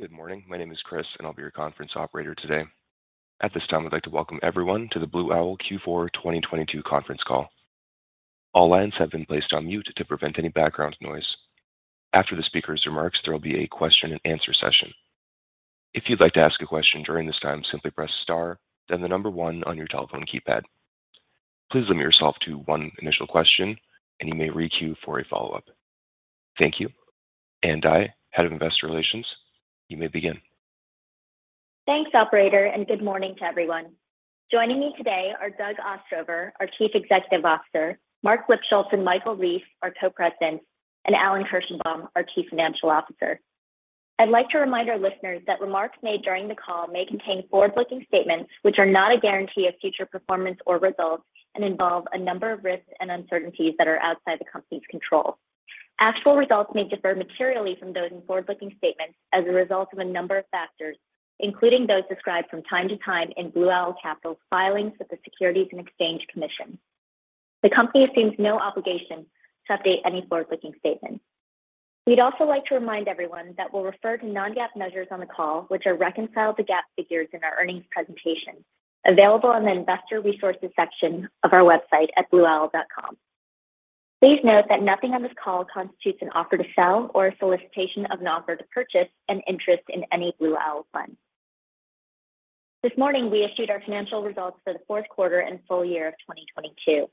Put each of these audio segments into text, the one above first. Good morning. My name is Chris, and I'll be your conference operator today. At this time, I'd like to welcome everyone to the Blue Owl Q4 2022 conference call. All lines have been placed on mute to prevent any background noise. After the speaker's remarks, there will be a question and answer session. If you'd like to ask a question during this time, simply press star then the number one on your telephone keypad. Please limit yourself to one initial question, and you may re-queue for a follow-up. Thank you. Ann Dai, Head of Investor Relations, you may begin. Thanks, operator, and good morning to everyone. Joining me today are Doug Ostrover, our Chief Executive Officer, Marc Lipschultz and Michael Rees, our Co-Presidents, and Alan Kirshenbaum, our Chief Financial Officer. I'd like to remind our listeners that remarks made during the call may contain forward-looking statements which are not a guarantee of future performance or results and involve a number of risks and uncertainties that are outside the company's control. Actual results may differ materially from those in forward-looking statements as a result of a number of factors, including those described from time to time in Blue Owl Capital's filings with the Securities and Exchange Commission. The company assumes no obligation to update any forward-looking statements. We'd also like to remind everyone that we'll refer to non-GAAP measures on the call, which are reconciled to GAAP figures in our earnings presentation available on the investor resources section of our website at blueowl.com. Please note that nothing on this call constitutes an offer to sell or a solicitation of an offer to purchase an interest in any Blue Owl fund. This morning, we issued our financial results for the fourth quarter and full year of 2022.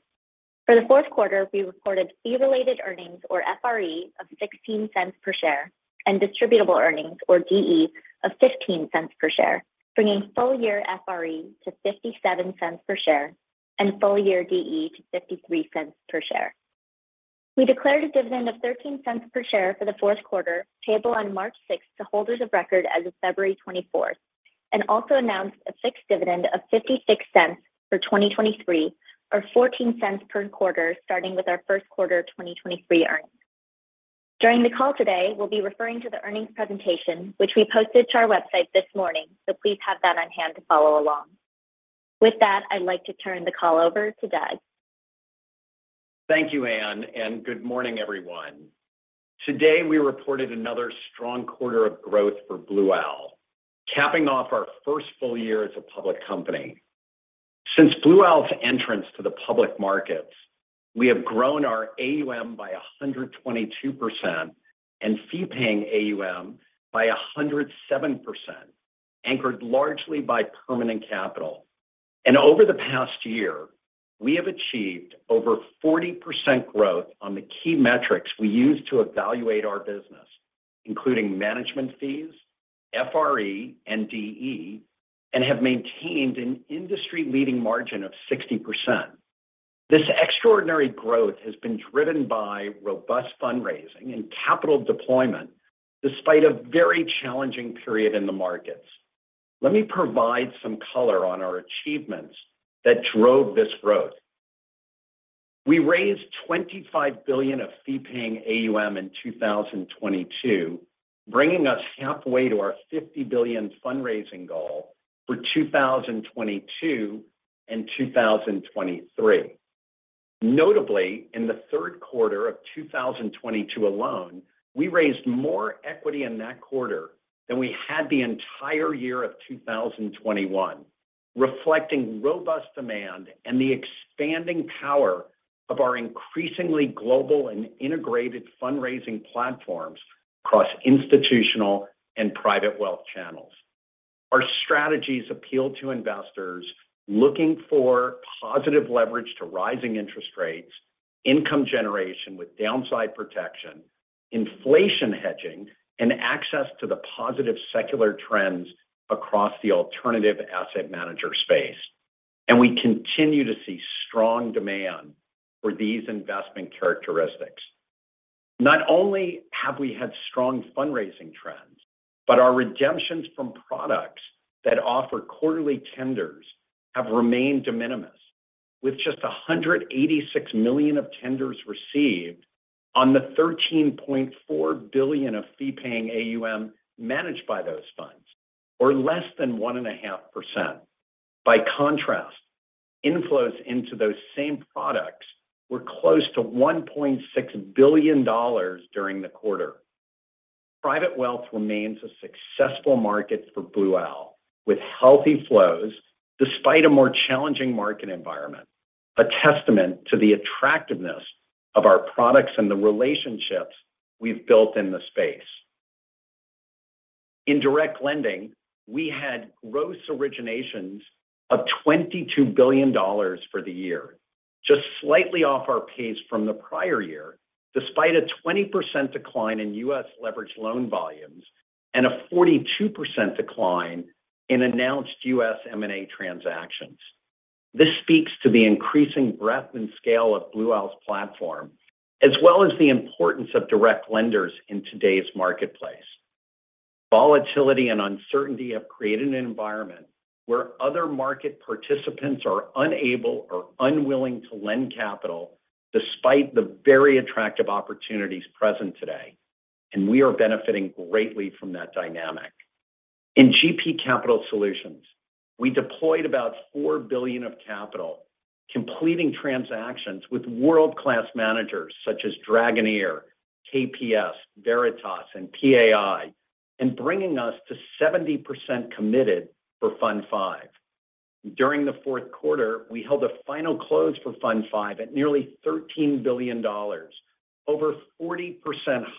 For the fourth quarter, we reported fee-related earnings, or FRE, of $0.16 per share and distributable earnings, or DE, of $0.15 per share, bringing full year FRE to $0.57 per share and full year DE to $0.53 per share. We declared a dividend of $0.13 per share for the fourth quarter, payable on March 6th to holders of record as of February 24th, and also announced a fixed dividend of $0.56 for 2023, or $0.14 per quarter, starting with our first quarter of 2023 earnings. During the call today, we'll be referring to the earnings presentation, which we posted to our website this morning, so please have that on hand to follow along. With that, I'd like to turn the call over to Doug. Thank you, Ann, and good morning, everyone. Today, we reported another strong quarter of growth for Blue Owl, capping off our first full year as a public company. Since Blue Owl's entrance to the public markets, we have grown our AUM by 122% and fee-paying AUM by 107%, anchored largely by permanent capital. Over the past year, we have achieved over 40% growth on the key metrics we use to evaluate our business, including management fees, FRE, and DE, and have maintained an industry-leading margin of 60%. This extraordinary growth has been driven by robust fundraising and capital deployment despite a very challenging period in the markets. Let me provide some color on our achievements that drove this growth. We raised $25 billion of fee-paying AUM in 2022, bringing us halfway to our $50 billion fundraising goal for 2022 and 2023. Notably, in the third quarter of 2022 alone, we raised more equity in that quarter than we had the entire year of 2021, reflecting robust demand and the expanding power of our increasingly global and integrated fundraising platforms across institutional and private wealth channels. Our strategies appeal to investors looking for positive leverage to rising interest rates, income generation with downside protection, inflation hedging, and access to the positive secular trends across the alternative asset manager space. We continue to see strong demand for these investment characteristics. Not only have we had strong fundraising trends, our redemptions from products that offer quarterly tenders have remained de minimis, with just $186 million of tenders received on the $13.4 billion of fee-paying AUM managed by those funds, or less than 1.5%. By contrast, inflows into those same products were close to $1.6 billion during the quarter. Private wealth remains a successful market for Blue Owl, with healthy flows despite a more challenging market environment, a testament to the attractiveness of our products and the relationships we've built in the space. In direct lending, we had gross originations of $22 billion for the year, just slightly off our pace from the prior year, despite a 20% decline in U.S. leverage loan volumes and a 42% decline in announced U.S. M&A transactions. This speaks to the increasing breadth and scale of Blue Owl's platform, as well as the importance of direct lenders in today's marketplace. Volatility and uncertainty have created an environment where other market participants are unable or unwilling to lend capital despite the very attractive opportunities present today. We are benefiting greatly from that dynamic. In GP Capital Solutions, we deployed about $4 billion of capital, completing transactions with world-class managers such as Dragoneer, KPS, Veritas, and PAI, and bringing us to 70% committed for Fund V. During the fourth quarter, we held a final close for Fund V at nearly $13 billion, over 40%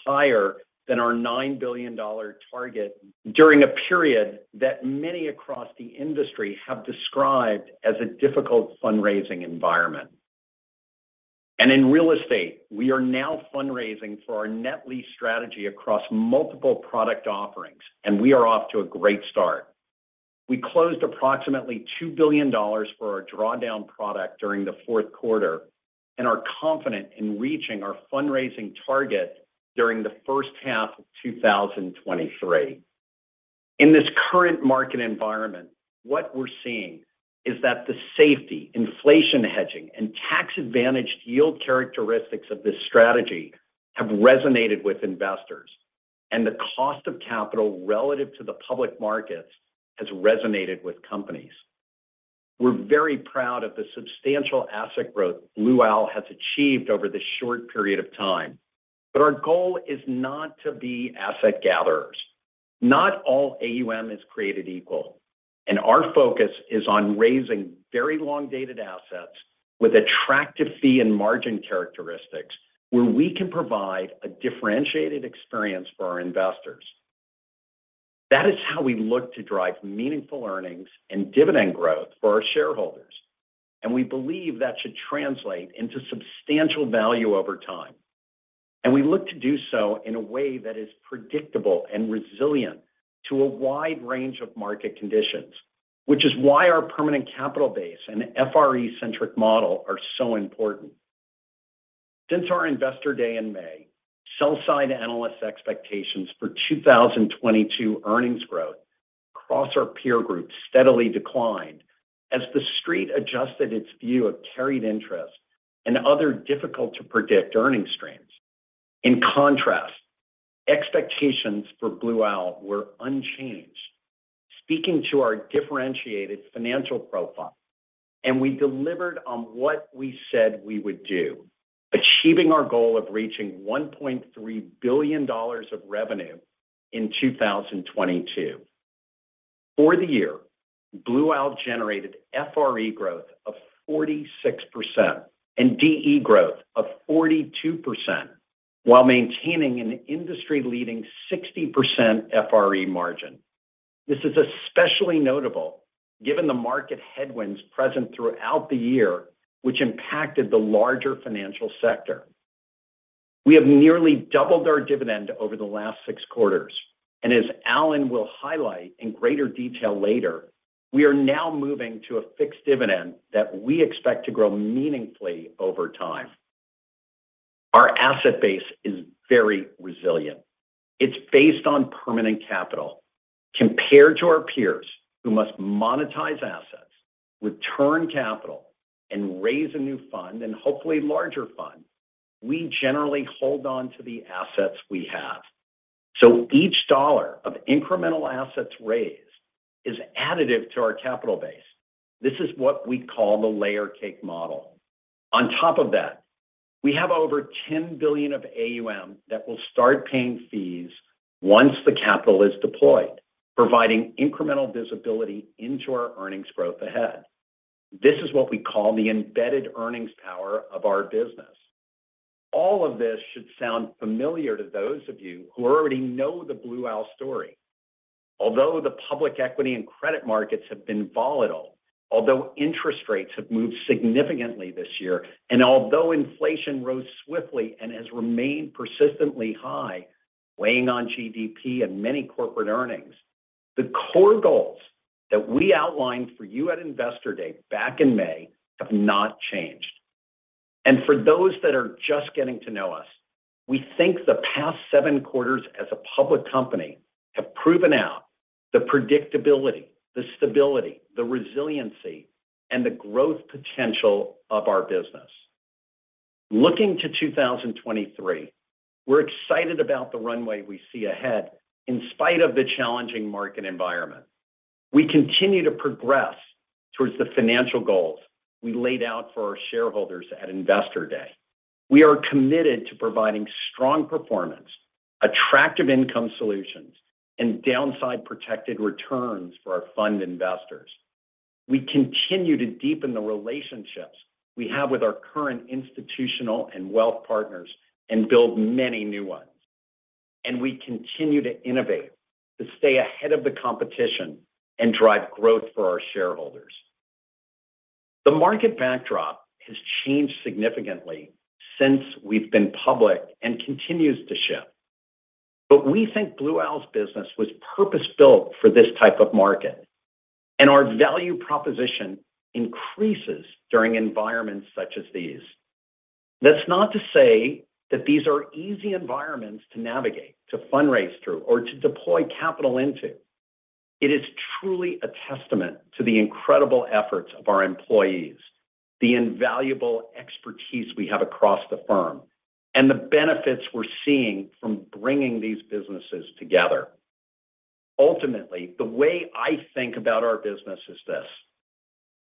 higher than our $9 billion target during a period that many across the industry have described as a difficult fundraising environment. In real estate, we are now fundraising for our net lease strategy across multiple product offerings, and we are off to a great start. We closed approximately $2 billion for our drawdown product during the fourth quarter and are confident in reaching our fundraising target during the first half of 2023. In this current market environment, what we're seeing is that the safety, inflation hedging, and tax-advantaged yield characteristics of this strategy have resonated with investors, and the cost of capital relative to the public markets has resonated with companies. We're very proud of the substantial asset growth Blue Owl has achieved over this short period of time. Our goal is not to be asset gatherers. Not all AUM is created equal, and our focus is on raising very long-dated assets with attractive fee and margin characteristics where we can provide a differentiated experience for our investors. That is how we look to drive meaningful earnings and dividend growth for our shareholders, and we believe that should translate into substantial value over time. We look to do so in a way that is predictable and resilient to a wide range of market conditions, which is why our permanent capital base and FRE-centric model are so important. Since our Investor Day in May, sell-side analyst expectations for 2022 earnings growth across our peer group steadily declined as the Street adjusted its view of carried interest and other difficult-to-predict earnings streams. In contrast, expectations for Blue Owl were unchanged, speaking to our differentiated financial profile, and we delivered on what we said we would do, achieving our goal of reaching $1.3 billion of revenue in 2022. For the year, Blue Owl generated FRE growth of 46% and DE growth of 42% while maintaining an industry-leading 60% FRE margin. This is especially notable given the market headwinds present throughout the year, which impacted the larger financial sector. We have nearly doubled our dividend over the last six quarters, and as Alan will highlight in greater detail later, we are now moving to a fixed dividend that we expect to grow meaningfully over time. Our asset base is very resilient. It's based on permanent capital. Compared to our peers who must monetize assets, return capital, and raise a new fund, and hopefully larger fund, we generally hold on to the assets we have. Each dollar of incremental assets raised is additive to our capital base. This is what we call the layer cake model. On top of that, we have over $10 billion of AUM that will start paying fees once the capital is deployed, providing incremental visibility into our earnings growth ahead. This is what we call the embedded earnings power of our business. All of this should sound familiar to those of you who already know the Blue Owl story. Although the public equity and credit markets have been volatile, although interest rates have moved significantly this year, and although inflation rose swiftly and has remained persistently high, weighing on GDP and many corporate earnings, the core goals that we outlined for you at Investor Day back in May have not changed. For those that are just getting to know us, we think the past seven quarters as a public company have proven out the predictability, the stability, the resiliency, and the growth potential of our business. Looking to 2023, we're excited about the runway we see ahead in spite of the challenging market environment. We continue to progress towards the financial goals we laid out for our shareholders at Investor Day. We are committed to providing strong performance, attractive income solutions, and downside-protected returns for our fund investors. We continue to deepen the relationships we have with our current institutional and wealth partners and build many new ones. We continue to innovate to stay ahead of the competition and drive growth for our shareholders. The market backdrop has changed significantly since we've been public and continues to shift. We think Blue Owl's business was purpose-built for this type of market, and our value proposition increases during environments such as these. That's not to say that these are easy environments to navigate, to fundraise through, or to deploy capital into. It is truly a testament to the incredible efforts of our employees, the invaluable expertise we have across the firm and the benefits we're seeing from bringing these businesses together. Ultimately, the way I think about our business is this: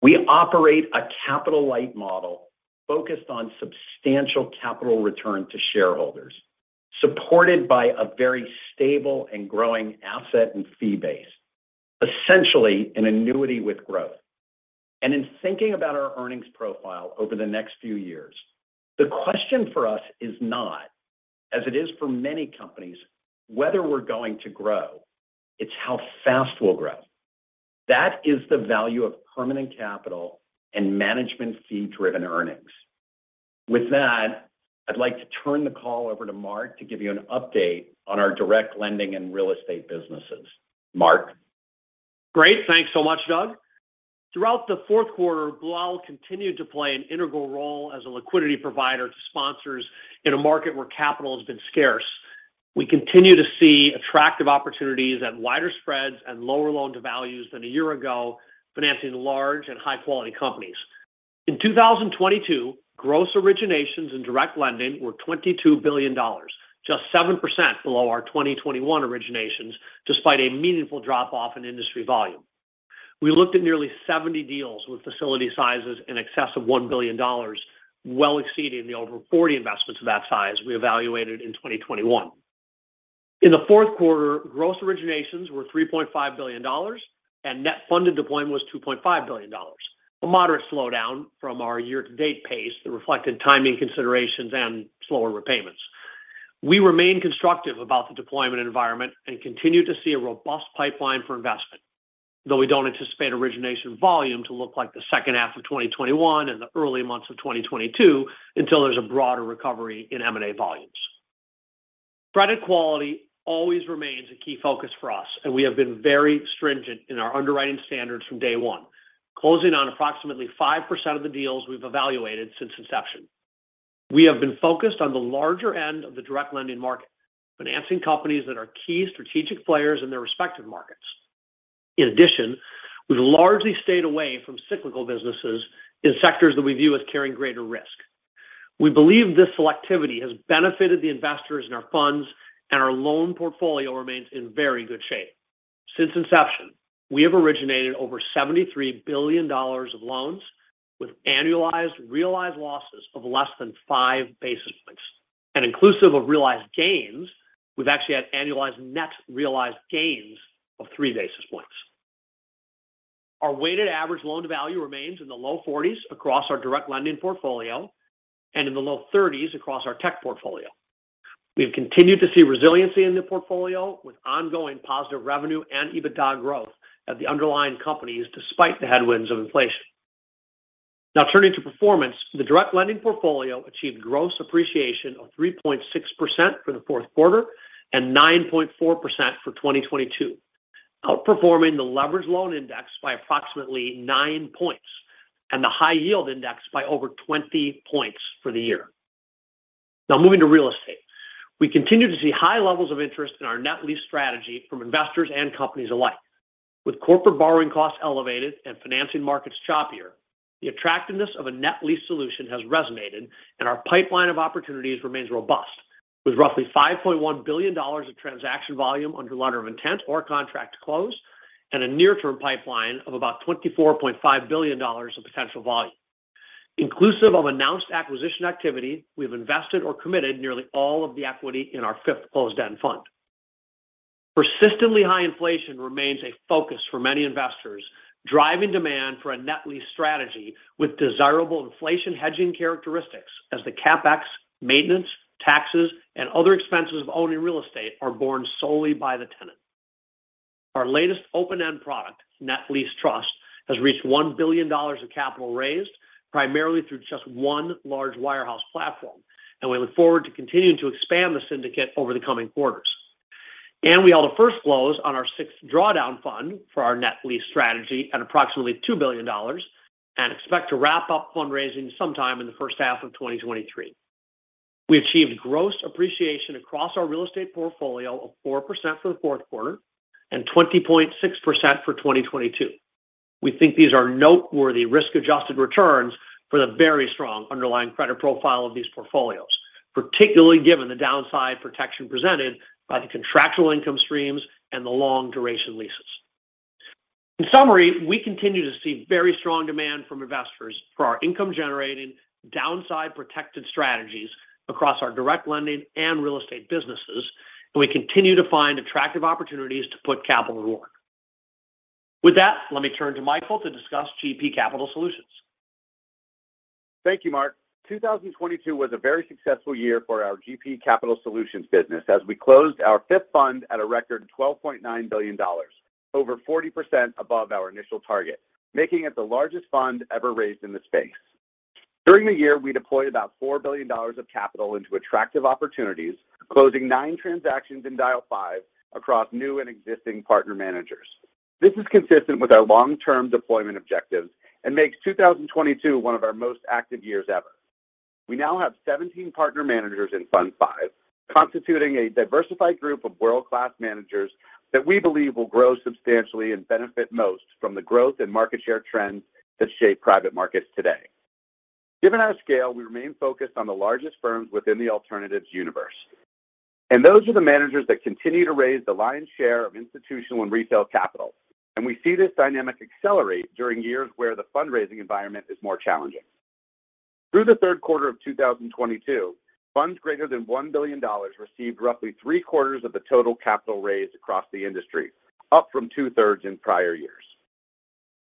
we operate a capital-light model focused on substantial capital return to shareholders, supported by a very stable and growing asset and fee base, essentially an annuity with growth. In thinking about our earnings profile over the next few years, the question for us is not, as it is for many companies, whether we're going to grow. It's how fast we'll grow. That is the value of permanent capital and management fee-driven earnings. With that, I'd like to turn the call over to Marc to give you an update on our direct lending and real estate businesses. Marc? Great. Thanks so much, Doug. Throughout the fourth quarter, Blue Owl continued to play an integral role as a liquidity provider to sponsors in a market where capital has been scarce. We continue to see attractive opportunities at wider spreads and lower loan to values than a year ago, financing large and high-quality companies. In 2022, gross originations in direct lending were $22 billion, just 7% below our 2021 originations, despite a meaningful drop-off in industry volume. We looked at nearly 70 deals with facility sizes in excess of $1 billion, well exceeding the over 40 investments of that size we evaluated in 2021. In the fourth quarter, gross originations were $3.5 billion, and net funded deployment was $2.5 billion. A moderate slowdown from our year-to-date pace that reflected timing considerations and slower repayments. We remain constructive about the deployment environment and continue to see a robust pipeline for investment, though we don't anticipate origination volume to look like the second half of 2021 and the early months of 2022 until there's a broader recovery in M&A volumes. Credit quality always remains a key focus for us. We have been very stringent in our underwriting standards from day one, closing on approximately 5% of the deals we've evaluated since inception. We have been focused on the larger end of the direct lending market, financing companies that are key strategic players in their respective markets. In addition, we've largely stayed away from cyclical businesses in sectors that we view as carrying greater risk. We believe this selectivity has benefited the investors in our funds. Our loan portfolio remains in very good shape. Since inception, we have originated over $73 billion of loans with annualized realized losses of less than 5 basis points. Inclusive of realized gains, we've actually had annualized net realized gains of 3 basis points. Our weighted average loan to value remains in the low 40s across our direct lending portfolio and in the low 30s across our tech portfolio. We've continued to see resiliency in the portfolio with ongoing positive revenue and EBITDA growth at the underlying companies despite the headwinds of inflation. Turning to performance, the direct lending portfolio achieved gross appreciation of 3.6% for the fourth quarter and 9.4% for 2022, outperforming the leveraged loan index by approximately 9 points and the high yield index by over 20 points for the year. Moving to real estate. We continue to see high levels of interest in our net lease strategy from investors and companies alike. With corporate borrowing costs elevated and financing markets choppier, the attractiveness of a net lease solution has resonated, and our pipeline of opportunities remains robust, with roughly $5.1 billion of transaction volume under letter of intent or contract closed, and a near-term pipeline of about $24.5 billion of potential volume. Inclusive of announced acquisition activity, we've invested or committed nearly all of the equity in our fifth closed-end fund. Persistently high inflation remains a focus for many investors, driving demand for a net lease strategy with desirable inflation hedging characteristics as the CapEx, maintenance, taxes, and other expenses of owning real estate are borne solely by the tenant. Our latest open-end product, Net Lease Trust, has reached $1 billion of capital raised, primarily through just one large wirehouse platform. We look forward to continuing to expand the syndicate over the coming quarters. We held a first close on our sixth drawdown fund for our net lease strategy at approximately $2 billion and expect to wrap up fundraising sometime in the first half of 2023. We achieved gross appreciation across our real estate portfolio of 4% for the fourth quarter and 20.6% for 2022. We think these are noteworthy risk-adjusted returns for the very strong underlying credit profile of these portfolios, particularly given the downside protection presented by the contractual income streams and the long duration leases. In summary, we continue to see very strong demand from investors for our income-generating, downside-protected strategies across our direct lending and real estate businesses, and we continue to find attractive opportunities to put capital to work. With that, let me turn to Michael to discuss GP Capital Solutions. Thank you, Marc. 2022 was a very successful year for our GP Capital Solutions business as we closed our fifth fund at a record $12.9 billion, over 40% above our initial target, making it the largest fund ever raised in the space. During the year, we deployed about $4 billion of capital into attractive opportunities, closing nine transactions in Dyal V across new and existing partner managers. This is consistent with our long-term deployment objectives and makes 2022 one of our most active years ever. We now have 17 partner managers in Fund V, constituting a diversified group of world-class managers that we believe will grow substantially and benefit most from the growth and market share trends that shape private markets today. Given our scale, we remain focused on the largest firms within the alternatives universe. Those are the managers that continue to raise the lion's share of institutional and retail capital. We see this dynamic accelerate during years where the fundraising environment is more challenging. Through the third quarter of 2022, funds greater than $1 billion received roughly 3/4 of the total capital raised across the industry, up from 2/3 in prior years.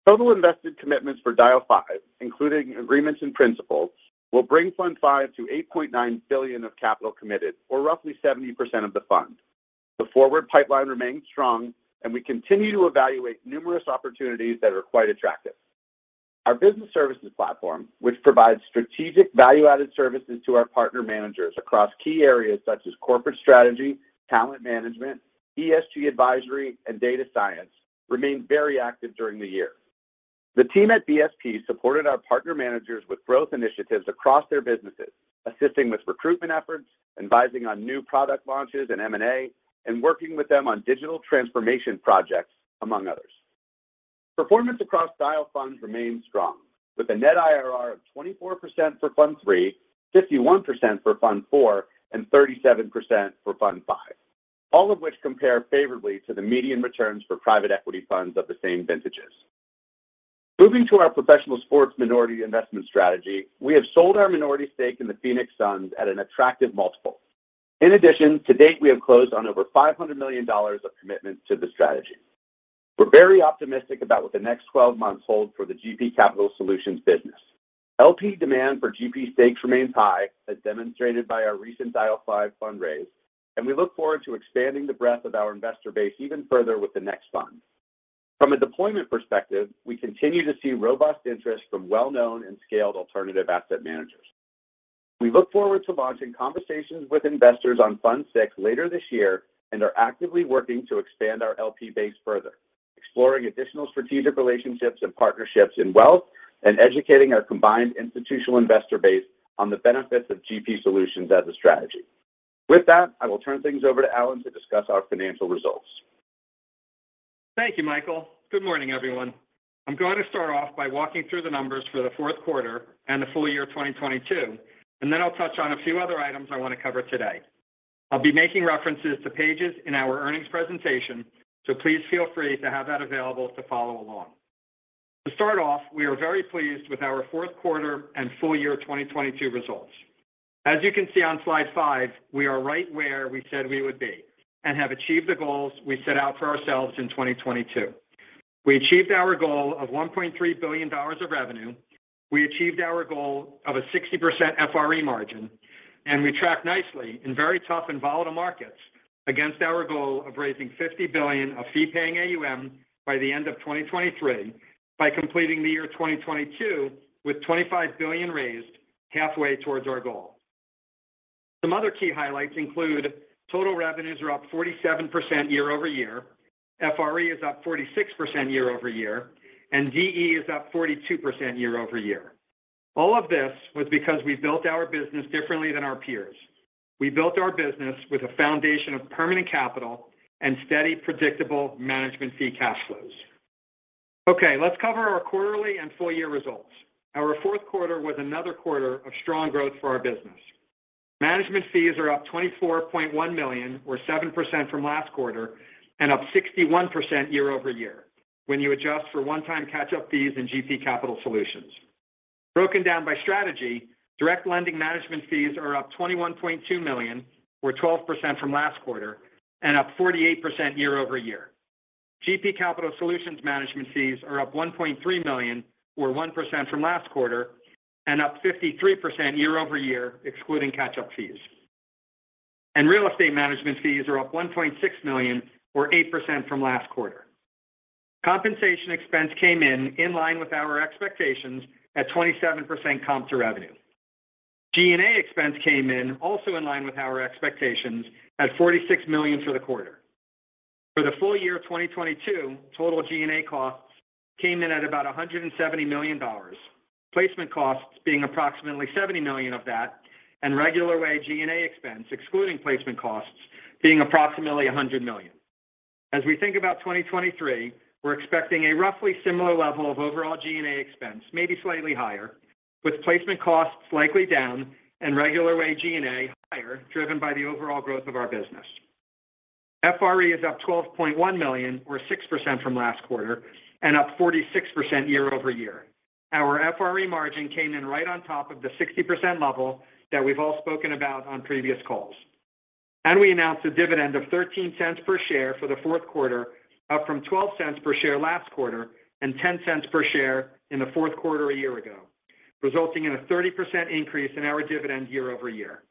Total invested commitments for Dyal V, including agreements and principles, will bring Fund V to $8.9 billion of capital committed, or roughly 70% of the fund. The forward pipeline remains strong, and we continue to evaluate numerous opportunities that are quite attractive. Our Business Services Platform, which provides strategic value-added services to our partner managers across key areas such as corporate strategy, talent management, ESG advisory, and data science, remained very active during the year. The team at BSP supported our partner managers with growth initiatives across their businesses, assisting with recruitment efforts, advising on new product launches and M&A, and working with them on digital transformation projects, among others. Performance across Dyal funds remains strong, with a net IRR of 24% for Fund III, 51% for Fund IV, and 37% for Fund V, all of which compare favorably to the median returns for private equity funds of the same vintages. Moving to our professional sports minority investment strategy, we have sold our minority stake in the Phoenix Suns at an attractive multiple. In addition, to date, we have closed on over $500 million of commitments to the strategy. We're very optimistic about what the next 12 months hold for the GP Capital Solutions business. LP demand for GP stakes remains high, as demonstrated by our recent Dyal V fundraise, and we look forward to expanding the breadth of our investor base even further with the next fund. From a deployment perspective, we continue to see robust interest from well-known and scaled alternative asset managers. We look forward to launching conversations with investors on Fund VI later this year, and are actively working to expand our LP base further, exploring additional strategic relationships and partnerships in wealth, and educating our combined institutional investor base on the benefits of GP solutions as a strategy. With that, I will turn things over to Alan to discuss our financial results. Thank you, Michael. Good morning, everyone. I'm going to start off by walking through the numbers for the fourth quarter and the full year of 2022, then I'll touch on a few other items I want to cover today. I'll be making references to pages in our earnings presentation, so please feel free to have that available to follow along. To start off, we are very pleased with our fourth quarter and full year 2022 results. As you can see on slide five, we are right where we said we would be and have achieved the goals we set out for ourselves in 2022. We achieved our goal of $1.3 billion of revenue. We achieved our goal of a 60% FRE margin. We tracked nicely in very tough and volatile markets against our goal of raising $50 billion of fee-paying AUM by the end of 2023 by completing the year 2022 with $25 billion raised, halfway towards our goal. Some other key highlights include total revenues are up 47% year-over-year, FRE is up 46% year-over-year, and DE is up 42% year-over-year. All of this was because we built our business differently than our peers. We built our business with a foundation of permanent capital and steady, predictable management fee cash flows. Let's cover our quarterly and full year results. Our fourth quarter was another quarter of strong growth for our business. Management fees are up $24.1 million, or 7% from last quarter, and up 61% year-over-year when you adjust for one-time catch-up fees in GP Capital Solutions. Broken down by strategy, direct lending management fees are up $21.2 million or 12% from last quarter and up 48% year-over-year. GP Capital Solutions management fees are up $1.3 million or 1% from last quarter and up 53% year-over-year, excluding catch-up fees. Real estate management fees are up $1.6 million or 8% from last quarter. Compensation expense came in line with our expectations at 27% comp to revenue. G&A expense came in also in line with our expectations at $46 million for the quarter. For the full year of 2022, total G&A costs came in at about $170 million. Placement costs being approximately $70 million of that, and regular way G&A expense, excluding placement costs, being approximately $100 million. As we think about 2023, we're expecting a roughly similar level of overall G&A expense, maybe slightly higher, with placement costs likely down and regular way G&A higher, driven by the overall growth of our business. FRE is up $12.1 million or 6% from last quarter and up 46% year-over-year. Our FRE margin came in right on top of the 60% level that we've all spoken about on previous calls. We announced a dividend of $0.13 per share for the fourth quarter, up from $0.12 per share last quarter and $0.10 per share in the fourth quarter a year ago, resulting in a 30% increase in our dividend year-over-year.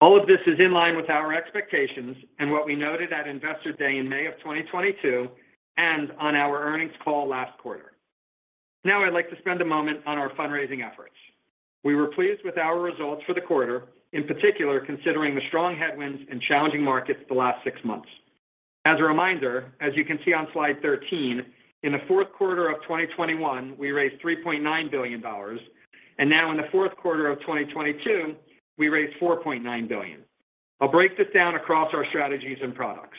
All of this is in line with our expectations and what we noted at Investor Day in May of 2022 and on our earnings call last quarter. Now, I'd like to spend a moment on our fundraising efforts. We were pleased with our results for the quarter, in particular considering the strong headwinds and challenging markets the last six months. As a reminder, as you can see on slide 13, in the fourth quarter of 2021, we raised $3.9 billion. Now in the fourth quarter of 2022, we raised $4.9 billion. I'll break this down across our strategies and products.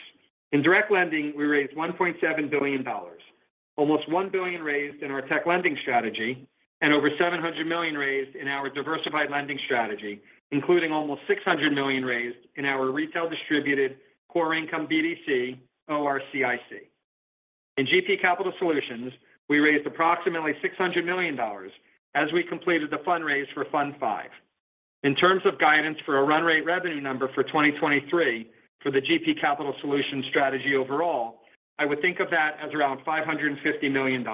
In direct lending, we raised $1.7 billion. Almost $1 billion raised in our tech lending strategy, and over $700 million raised in our diversified lending strategy, including almost $600 million raised in our retail distributed core income BDC, ORCIC. In GP Capital Solutions, we raised approximately $600 million as we completed the fundraise for Fund V. In terms of guidance for a run rate revenue number for 2023 for the GP Capital Solutions strategy overall, I would think of that as around $550 million.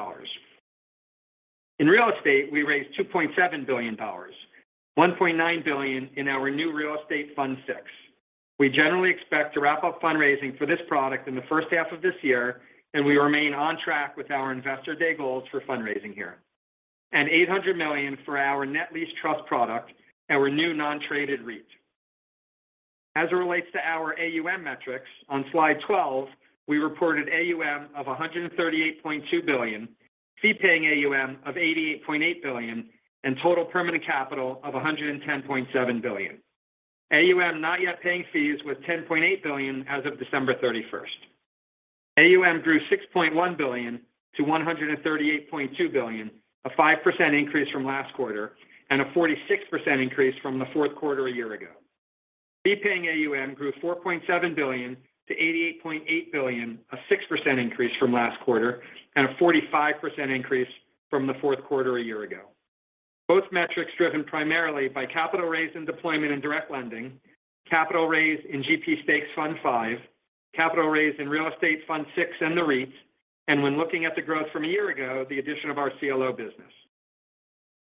In real estate, we raised $2.7 billion. $1.9 billion in our new Real Estate Fund VI. We generally expect to wrap up fundraising for this product in the first half of this year, and we remain on track with our Investor Day goals for fundraising here. $800 million for our Net Lease Trust product, our new non-traded REIT. As it relates to our AUM metrics, on slide 12, we reported AUM of $138.2 billion, fee-paying AUM of $88.8 billion, and total permanent capital of $110.7 billion. AUM not yet paying fees was $10.8 billion as of December 31st. AUM grew $6.1 billion to $138.2 billion, a 5% increase from last quarter and a 46% increase from the fourth quarter a year ago. Fee-paying AUM grew $4.7 billion to $88.8 billion, a 6% increase from last quarter and a 45% increase from the fourth quarter a year ago. Both metrics driven primarily by capital raised in deployment and direct lending, capital raised in GP Stakes Fund V, capital raised in Real Estate Fund VI and the REITs, and when looking at the growth from a year ago, the addition of our CLO business.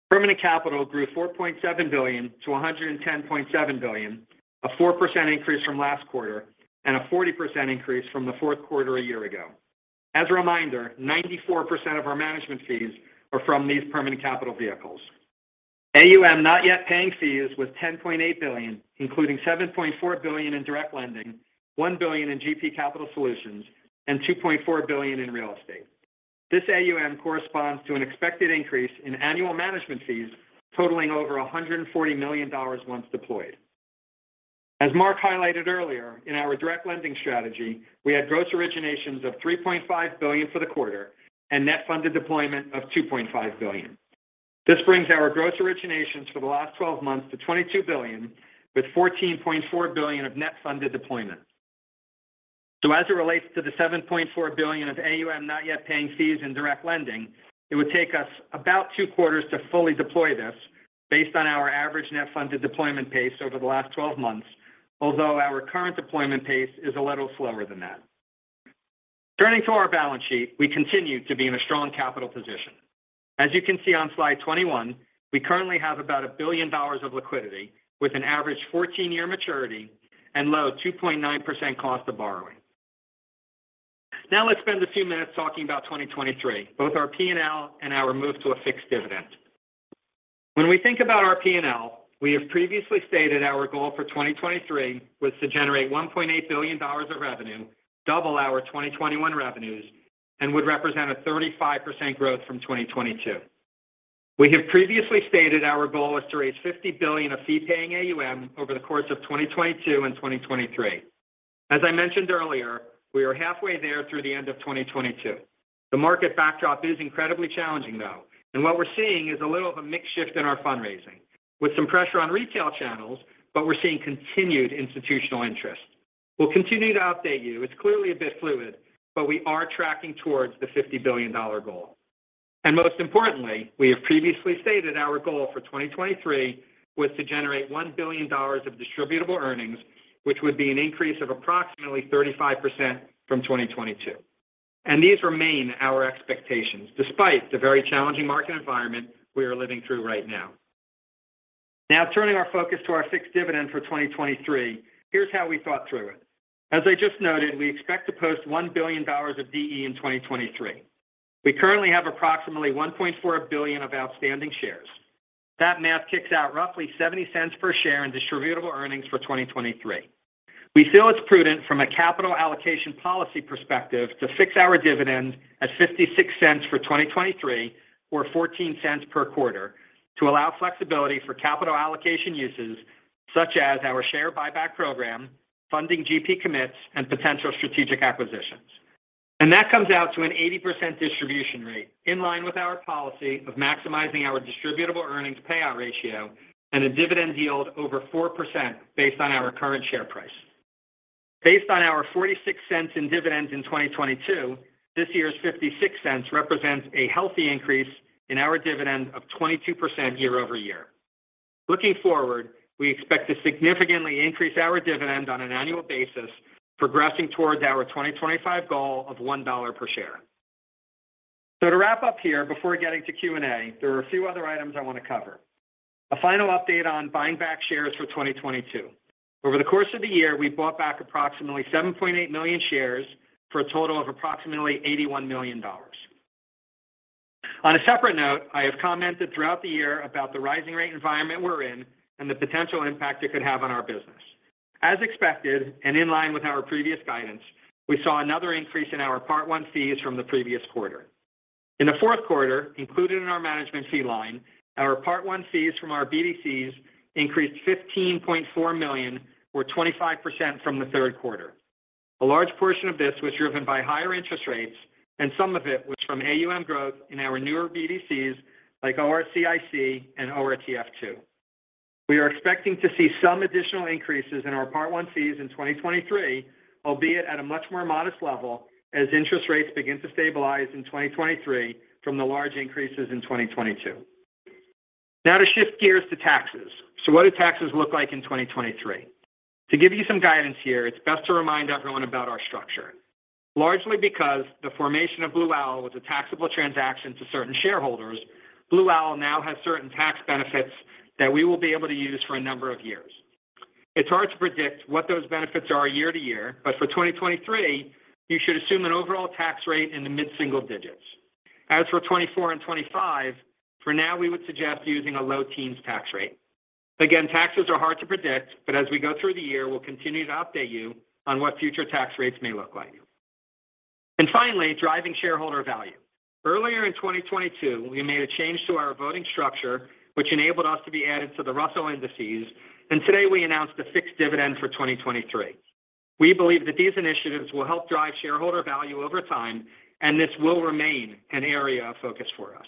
Permanent capital grew $4.7 billion to $110.7 billion, a 4% increase from last quarter and a 40% increase from the fourth quarter a year ago. As a reminder, 94% of our management fees are from these permanent capital vehicles. AUM not yet paying fees was $10.8 billion, including $7.4 billion in direct lending, $1 billion in GP Capital Solutions, and $2.4 billion in real estate. This AUM corresponds to an expected increase in annual management fees totaling over $140 million once deployed. As Marc highlighted earlier, in our direct lending strategy, we had gross originations of $3.5 billion for the quarter and net funded deployment of $2.5 billion. This brings our gross originations for the last 12 months to $22 billion, with $14.4 billion of net funded deployment. As it relates to the $7.4 billion of AUM not yet paying fees in direct lending, it would take us about two quarters to fully deploy this based on our average net funded deployment pace over the last 12 months. Although our current deployment pace is a little slower than that. Turning to our balance sheet, we continue to be in a strong capital position. As you can see on slide 21, we currently have about $1 billion of liquidity with an average 14-year maturity and low 2.9% cost of borrowing. Let's spend a few minutes talking about 2023, both our P&L and our move to a fixed dividend. When we think about our P&L, we have previously stated our goal for 2023 was to generate $1.8 billion of revenue, double our 2021 revenues, and would represent a 35% growth from 2022. We have previously stated our goal was to raise $50 billion of fee-paying AUM over the course of 2022 and 2023. As I mentioned earlier, we are halfway there through the end of 2022. The market backdrop is incredibly challenging, though, and what we're seeing is a little of a mix shift in our fundraising with some pressure on retail channels, but we're seeing continued institutional interest. We'll continue to update you. It's clearly a bit fluid, but we are tracking towards the $50 billion goal. Most importantly, we have previously stated our goal for 2023 was to generate $1 billion of distributable earnings, which would be an increase of approximately 35% from 2022. These remain our expectations despite the very challenging market environment we are living through right now. Now turning our focus to our fixed dividend for 2023, here's how we thought through it. As I just noted, we expect to post $1 billion of DE in 2023. We currently have approximately $1.4 billion of outstanding shares. That math kicks out roughly $0.70 per share in distributable earnings for 2023. We feel it's prudent from a capital allocation policy perspective to fix our dividend at $0.56 for 2023 or $0.14 per quarter to allow flexibility for capital allocation uses such as our share buyback program, funding GP commits, and potential strategic acquisitions. That comes out to an 80% distribution rate in line with our policy of maximizing our distributable earnings payout ratio and a dividend yield over 4% based on our current share price. Based on our $0.46 in dividends in 2022, this year's $0.56 represents a healthy increase in our dividend of 22% year-over-year. Looking forward, we expect to significantly increase our dividend on an annual basis, progressing towards our 2025 goal of $1 per share. To wrap up here before getting to Q&A, there are a few other items I want to cover. A final update on buying back shares for 2022. Over the course of the year, we bought back approximately 7.8 million shares for a total of approximately $81 million. On a separate note, I have commented throughout the year about the rising rate environment we're in and the potential impact it could have on our business. As expected, and in line with our previous guidance, we saw another increase in our Part I fees from the previous quarter. In the fourth quarter, included in our management fee line, our Part I fees from our BDCs increased $15.4 million or 25% from the third quarter. A large portion of this was driven by higher interest rates, and some of it was from AUM growth in our newer BDCs like ORCIC and ORTF II. We are expecting to see some additional increases in our Part I fees in 2023, albeit at a much more modest level as interest rates begin to stabilize in 2023 from the large increases in 2022. To shift gears to taxes. What do taxes look like in 2023? To give you some guidance here, it's best to remind everyone about our structure. Largely because the formation of Blue Owl was a taxable transaction to certain shareholders, Blue Owl now has certain tax benefits that we will be able to use for a number of years. It's hard to predict what those benefits are year to year, but for 2023, you should assume an overall tax rate in the mid-single digits. As for 2024 and 2025, for now, we would suggest using a low teens tax rate. Again, taxes are hard to predict, but as we go through the year, we'll continue to update you on what future tax rates may look like. Finally, driving shareholder value. Earlier in 2022, we made a change to our voting structure, which enabled us to be added to the Russell Indices. Today, we announced a fixed dividend for 2023. We believe that these initiatives will help drive shareholder value over time, and this will remain an area of focus for us.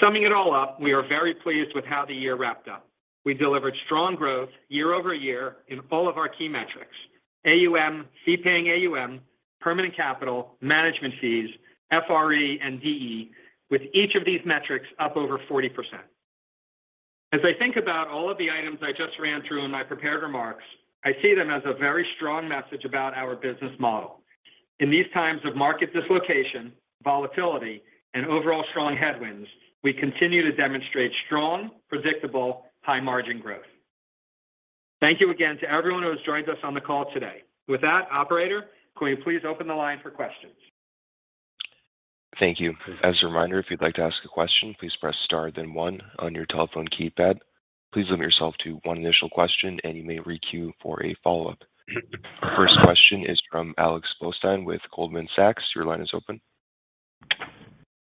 Summing it all up, we are very pleased with how the year wrapped up. We delivered strong growth year-over-year in all of our key metrics: AUM, fee-paying AUM, permanent capital, management fees, FRE and DE, with each of these metrics up over 40%. As I think about all of the items I just ran through in my prepared remarks, I see them as a very strong message about our business model. In these times of market dislocation, volatility, and overall strong headwinds, we continue to demonstrate strong, predictable, high margin growth. Thank you again to everyone who has joined us on the call today. With that, operator, could we please open the line for questions? Thank you. As a reminder, if you'd like to ask a question, please press star then one on your telephone keypad. Please limit yourself to one initial question, and you may re-queue for a follow-up. First question is from Alex Blostein with Goldman Sachs. Your line is open.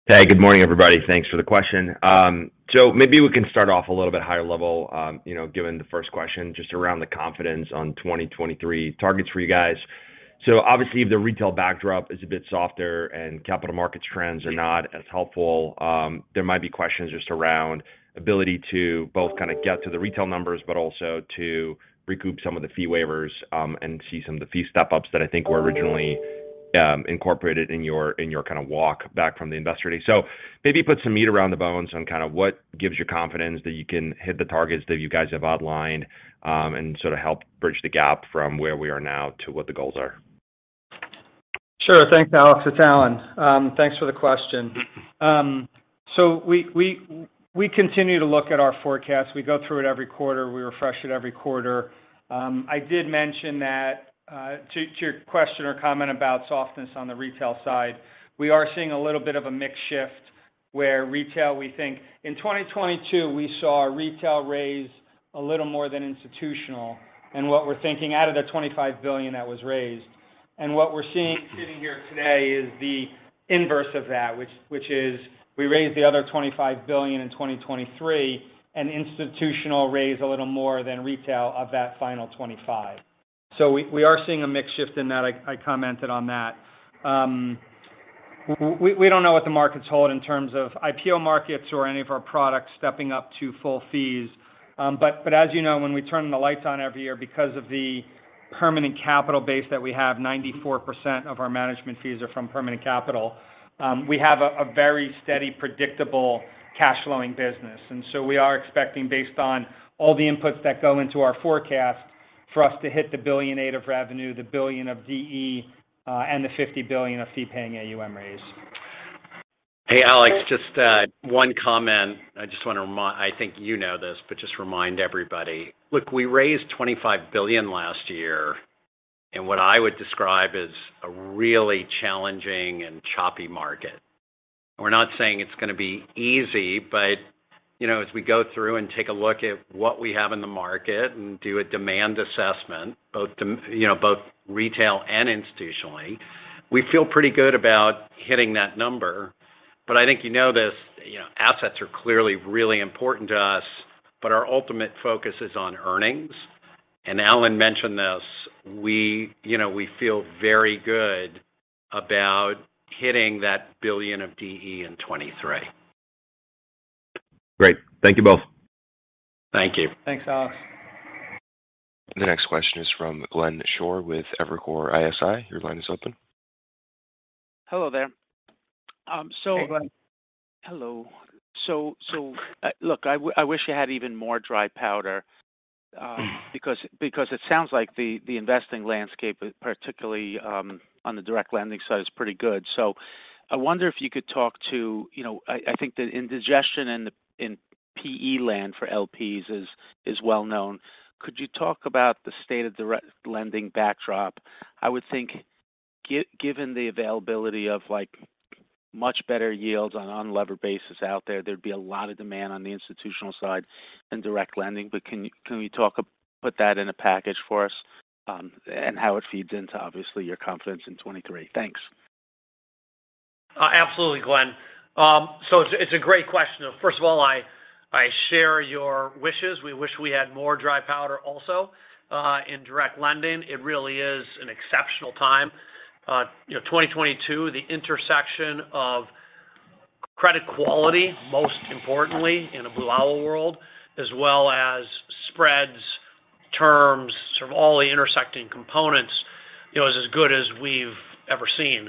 Hey, good morning, everybody. Thanks for the question. Maybe we can start off a little bit higher level, you know, given the first question just around the confidence on 2023 targets for you guys. Obviously, if the retail backdrop is a bit softer and capital markets trends are not as helpful, there might be questions just around ability to both kinda get to the retail numbers, but also to recoup some of the fee waivers, and see some of the fee step-ups that I think were originally incorporated in your, in your kinda walk back from the Investor Day. Maybe put some meat around the bones on kinda what gives you confidence that you can hit the targets that you guys have outlined, and sorta help bridge the gap from where we are now to what the goals are. Sure. Thanks, Alex. It's Alan. Thanks for the question. So we continue to look at our forecast. We go through it every quarter. We refresh it every quarter. I did mention that to your question or comment about softness on the retail side, we are seeing a little bit of a mix shift where retail, we think... In 2022, we saw retail raise a little more than institutional, and what we're thinking out of the $25 billion that was raised. What we're seeing sitting here today is the inverse of that, which is we raised the other $25 billion in 2023, and institutional raised a little more than retail of that final $25 billion. We are seeing a mix shift in that. I commented on that. We don't know what the markets hold in terms of IPO markets or any of our products stepping up to full fees. But as you know, when we turn the lights on every year because of the permanent capital base that we have, 94% of our management fees are from permanent capital, we have a very steady, predictable cash flowing business. We are expecting based on all the inputs that go into our forecast for us to hit the $1.8 billion of revenue, the $1 billion of DE, and the $50 billion of fee paying AUM raise. Hey, Alex, just one comment. I just wanna remind. I think you know this, but just remind everybody. Look, we raised $25 billion last year in what I would describe as a really challenging and choppy market. We're not saying it's gonna be easy, but, you know, as we go through and take a look at what we have in the market and do a demand assessment, both you know, both retail and institutionally, we feel pretty good about hitting that number. I think you know this, you know, assets are clearly really important to us, but our ultimate focus is on earnings. Alan mentioned this, we, you know, we feel very good about hitting that $1 billion of DE in 2023. Great. Thank you both. Thank you. Thanks, Alex. The next question is from Glenn Schorr with Evercore ISI. Your line is open. Hello there. Hey, Glenn. Hello. Look, I wish you had even more dry powder, because it sounds like the investing landscape, particularly, on the direct lending side, is pretty good. I wonder if you could talk to, you know... I think the indigestion in PE land for LPs is well known. Could you talk about the state of direct lending backdrop? I would think given the availability of, like much better yields on unlevered basis out there. There'd be a lot of demand on the institutional side in direct lending. Can we talk, put that in a package for us, and how it feeds into, obviously, your confidence in 2023? Thanks. Absolutely, Glenn. It's a great question. First of all, I share your wishes. We wish we had more dry powder also, in direct lending. It really is an exceptional time. You know, 2022, the intersection of credit quality, most importantly in a below world, as well as spreads terms, sort of all the intersecting components, you know, as good as we've ever seen.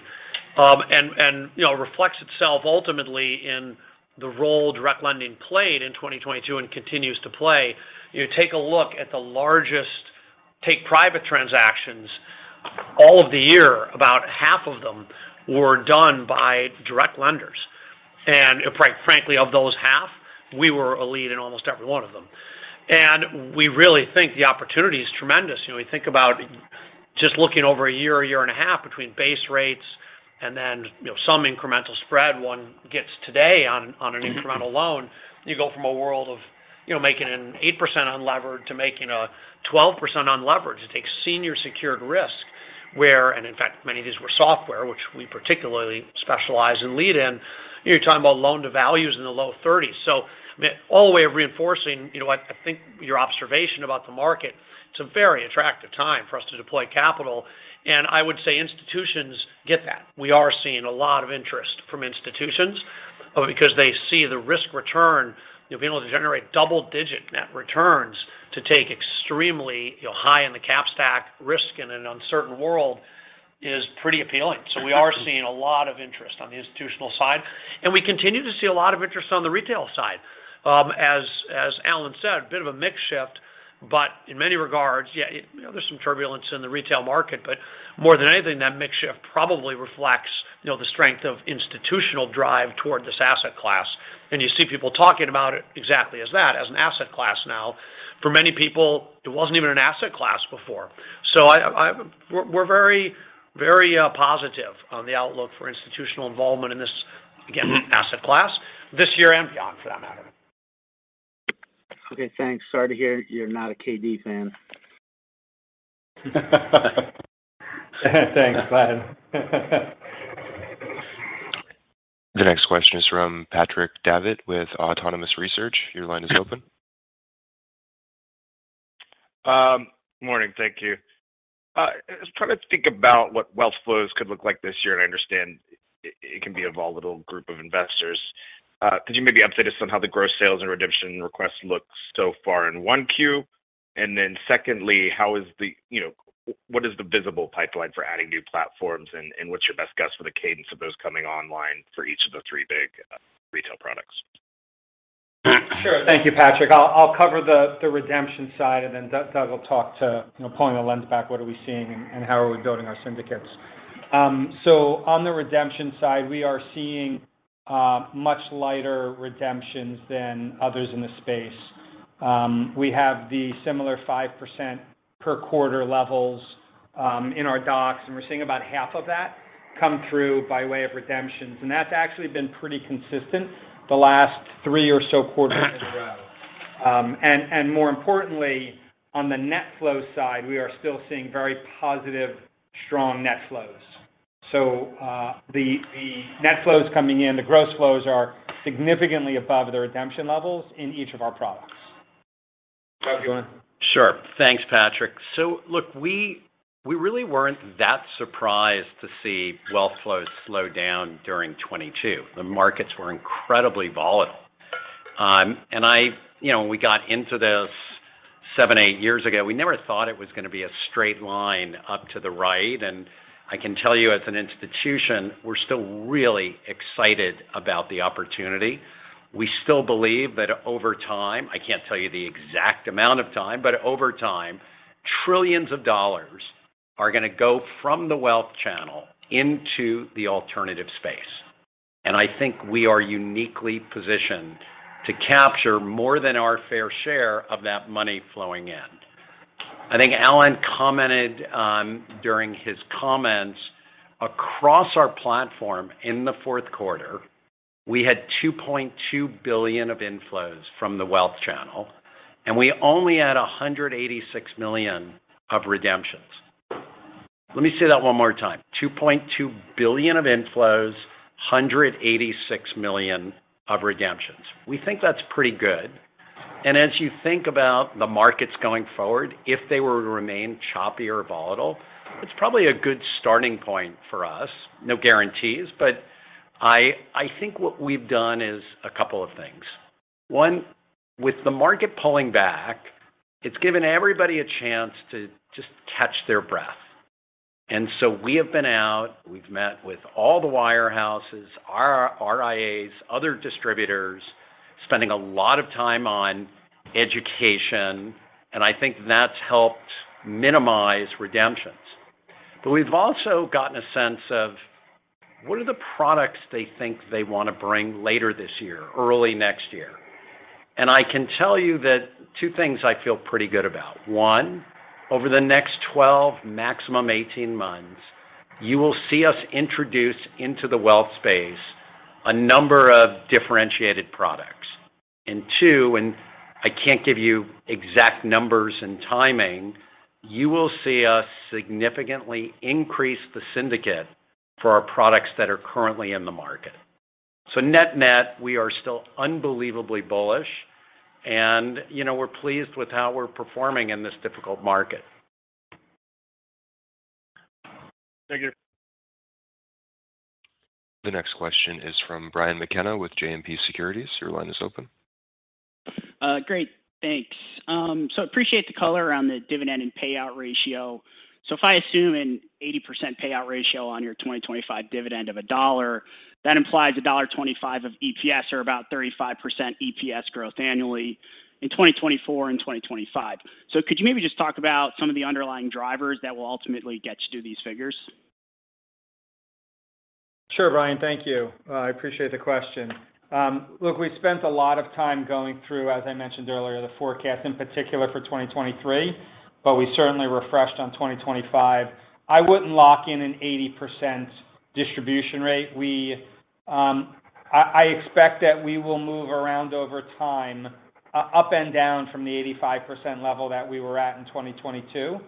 You know, reflects itself ultimately in the role direct lending played in 2022 and continues to play. You take a look at the largest take-private transactions all of the year, about half of them were done by direct lenders. Quite frankly, of those half, we were a lead in almost every one of them. We really think the opportunity is tremendous. You know, we think about just looking over a year, a year and a half between base rates and then, you know, some incremental spread one gets today on an incremental loan. You go from a world of, you know, making an 8% unlevered to making a 12% unlevered to take senior secured risk where. In fact, many of these were software, which we particularly specialize and lead in. You're talking about loan to values in the low 30s. All the way of reinforcing, you know what? I think your observation about the market, it's a very attractive time for us to deploy capital. I would say institutions get that. We are seeing a lot of interest from institutions because they see the risk return. Being able to generate double-digit net returns to take extremely, you know, high in the capital stack risk in an uncertain world is pretty appealing. We are seeing a lot of interest on the institutional side, and we continue to see a lot of interest on the retail side. As Alan said, a bit of a mix shift, but in many regards, yeah, you know, there's some turbulence in the retail market. More than anything, that mix shift probably reflects, you know, the strength of institutional drive toward this asset class. You see people talking about it exactly as that, as an asset class now. For many people, it wasn't even an asset class before. We're very, very positive on the outlook for institutional involvement in this, again, asset class this year and beyond, for that matter. Okay, thanks. Sorry to hear you're not a KD fan. Thanks, Glenn. The next question is from Patrick Davitt with Autonomous Research. Your line is open. Morning. Thank you. I was trying to think about what wealth flows could look like this year, and I understand it can be a volatile group of investors. Could you maybe update us on how the gross sales and redemption requests look so far in 1Q? Secondly, you know, what is the visible pipeline for adding new platforms, and what's your best guess for the cadence of those coming online for each of the three big retail products? Sure. Thank you, Patrick. I'll cover the redemption side, Doug will talk to pulling the lens back, what are we seeing and how are we building our syndicates. On the redemption side, we are seeing much lighter redemptions than others in the space. We have the similar 5% per quarter levels in our docs, and we're seeing about half of that come through by way of redemptions. That's actually been pretty consistent the last three or so quarters in a row. More importantly, on the net flow side, we are still seeing very positive, strong net flows. The net flows coming in, the gross flows are significantly above the redemption levels in each of our products. Doug, you want? Sure. Thanks, Patrick. Look, we really weren't that surprised to see wealth flows slow down during 2022. The markets were incredibly volatile. You know, when we got into this seven, eight years ago, we never thought it was going to be a straight line up to the right. I can tell you as an institution, we're still really excited about the opportunity. We still believe that over time, I can't tell you the exact amount of time, but over time, trillions of dollars are going to go from the wealth channel into the alternative space. I think we are uniquely positioned to capture more than our fair share of that money flowing in. I think Alan commented during his comments. Across our platform in the fourth quarter, we had $2.2 billion of inflows from the wealth channel, we only had $186 million of redemptions. Let me say that one more time. $2.2 billion of inflows, $186 million of redemptions. We think that's pretty good. As you think about the markets going forward, if they were to remain choppy or volatile, it's probably a good starting point for us. No guarantees, but I think what we've done is a couple of things. One, with the market pulling back, it's given everybody a chance to just catch their breath. We have been out, we've met with all the wirehouses, our RIAs, other distributors, spending a lot of time on education, I think that's helped minimize redemptions. We've also gotten a sense of what are the products they think they want to bring later this year, early next year. I can tell you that two things I feel pretty good about. One, over the next 12, maximum 18 months, you will see us introduce into the wealth space a number of differentiated products. Two, I can't give you exact numbers and timing, you will see us significantly increase the syndicate for our products that are currently in the market. Net-net, we are still unbelievably bullish, you know, we're pleased with how we're performing in this difficult market. Thank you. The next question is from Brian McKenna with JMP Securities. Your line is open. Great. Thanks. Appreciate the color on the dividend and payout ratio. If I assume an 80% payout ratio on your 2025 dividend of $1, that implies $1.25 of EPS or about 35% EPS growth annually in 2024 and 2025. Could you maybe just talk about some of the underlying drivers that will ultimately get you to these figures? Sure, Brian. Thank you. I appreciate the question. Look, we spent a lot of time going through, as I mentioned earlier, the forecast in particular for 2023, but we certainly refreshed on 2025. I wouldn't lock in an 80% distribution rate. We, I expect that we will move around over time, up and down from the 85% level that we were at in 2022.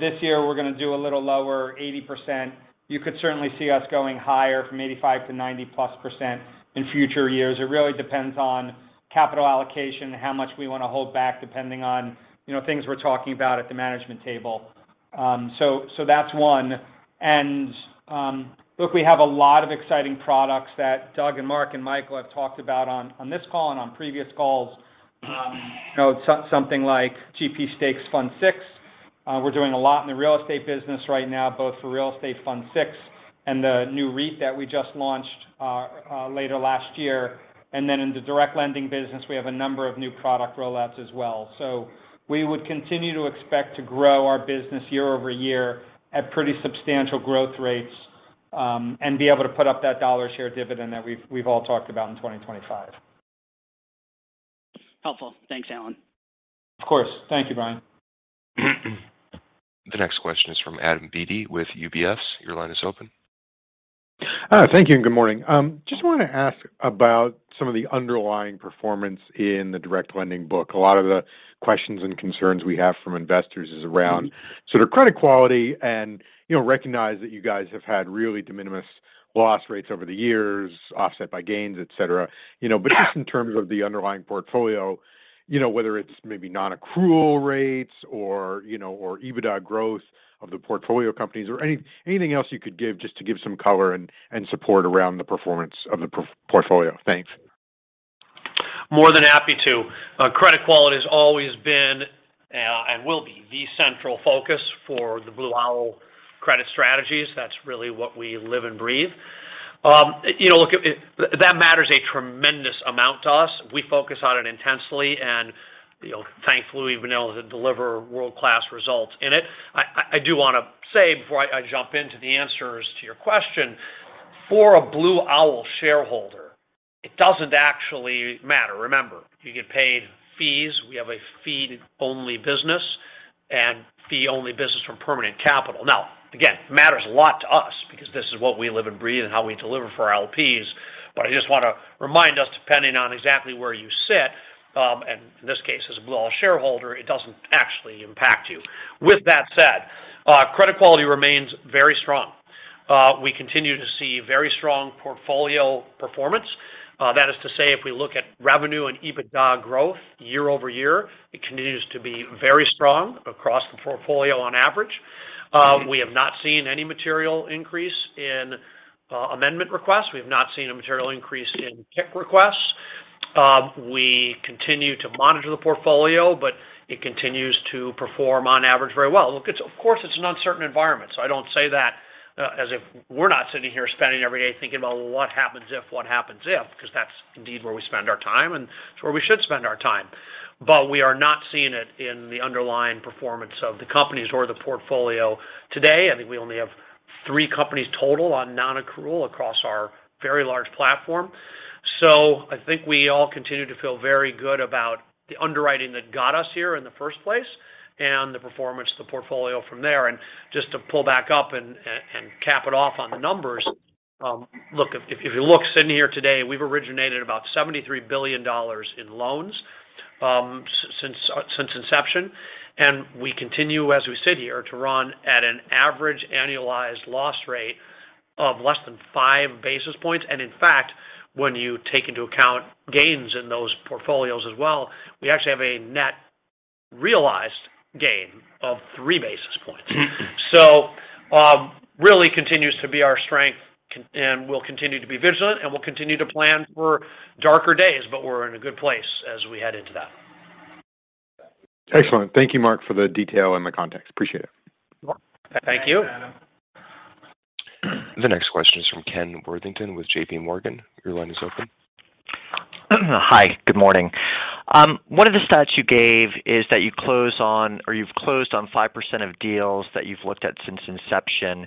This year, we're gonna do a little lower 80%. You could certainly see us going higher from 85%-90%+ percent in future years. It really depends on capital allocation, how much we wanna hold back depending on, you know, things we're talking about at the management table. That's one. Look, we have a lot of exciting products that Doug and Marc and Michael have talked about on this call and on previous calls. You know, something like GP Stakes Fund VI. We're doing a lot in the real estate business right now, both for Real Estate Fund VI and the new REIT that we just launched later last year. In the direct lending business, we have a number of new product rollouts as well. We would continue to expect to grow our business year-over-year at pretty substantial growth rates and be able to put up that dollar share dividend that we've all talked about in 2025. Helpful. Thanks, Alan. Of course. Thank you, Brian. The next question is from Adam Beatty with UBS. Your line is open. Thank you, good morning. Just wanna ask about some of the underlying performance in the direct lending book. A lot of the questions and concerns we have from investors is around sort of credit quality and, you know, recognize that you guys have had really de minimis loss rates over the years, offset by gains, et cetera. You know, just in terms of the underlying portfolio, you know, whether it's maybe non-accrual rates or, you know, or EBITDA growth of the portfolio companies or anything else you could give just to give some color and support around the performance of the portfolio. Thanks. More than happy to. Credit quality has always been and will be the central focus for the Blue Owl Credit Strategies. That's really what we live and breathe. You know, look, that matters a tremendous amount to us. We focus on it intensely, and, you know, thankfully, we've been able to deliver world-class results in it. I do wanna say before I jump into the answers to your question, for a Blue Owl shareholder, it doesn't actually matter. Remember, you get paid fees. We have a fee-only business and fee-only business from permanent capital. Again, matters a lot to us because this is what we live and breathe and how we deliver for our LPs. I just wanna remind us, depending on exactly where you sit, and in this case, as a Blue Owl shareholder, it doesn't actually impact you. With that said, credit quality remains very strong. We continue to see very strong portfolio performance. That is to say if we look at revenue and EBITDA growth year-over-year, it continues to be very strong across the portfolio on average. We have not seen any material increase in amendment requests. We have not seen a material increase in PIK requests. We continue to monitor the portfolio, but it continues to perform on average very well. Look, it's of course it's an uncertain environment, so I don't say that as if we're not sitting here spending every day thinking about what happens if what happens if, 'cause that's indeed where we spend our time, and it's where we should spend our time. We are not seeing it in the underlying performance of the companies or the portfolio today. I think we only have three companies total on non-accrual across our very large platform. I think we all continue to feel very good about the underwriting that got us here in the first place and the performance of the portfolio from there. Just to pull back up and cap it off on the numbers, look, if you look sitting here today, we've originated about $73 billion in loans, since inception. We continue, as we sit here, to run at an average annualized loss rate of less than 5 basis points. In fact, when you take into account gains in those portfolios as well, we actually have a net realized gain of 3 basis points. Really continues to be our strength and we'll continue to be vigilant, and we'll continue to plan for darker days, but we're in a good place as we head into that. Excellent. Thank you, Marc, for the detail and the context. Appreciate it. You're welcome. Thank you. The next question is from Ken Worthington with JPMorgan. Your line is open. Hi. Good morning. One of the stats you gave is that you close on or you've closed on 5% of deals that you've looked at since inception.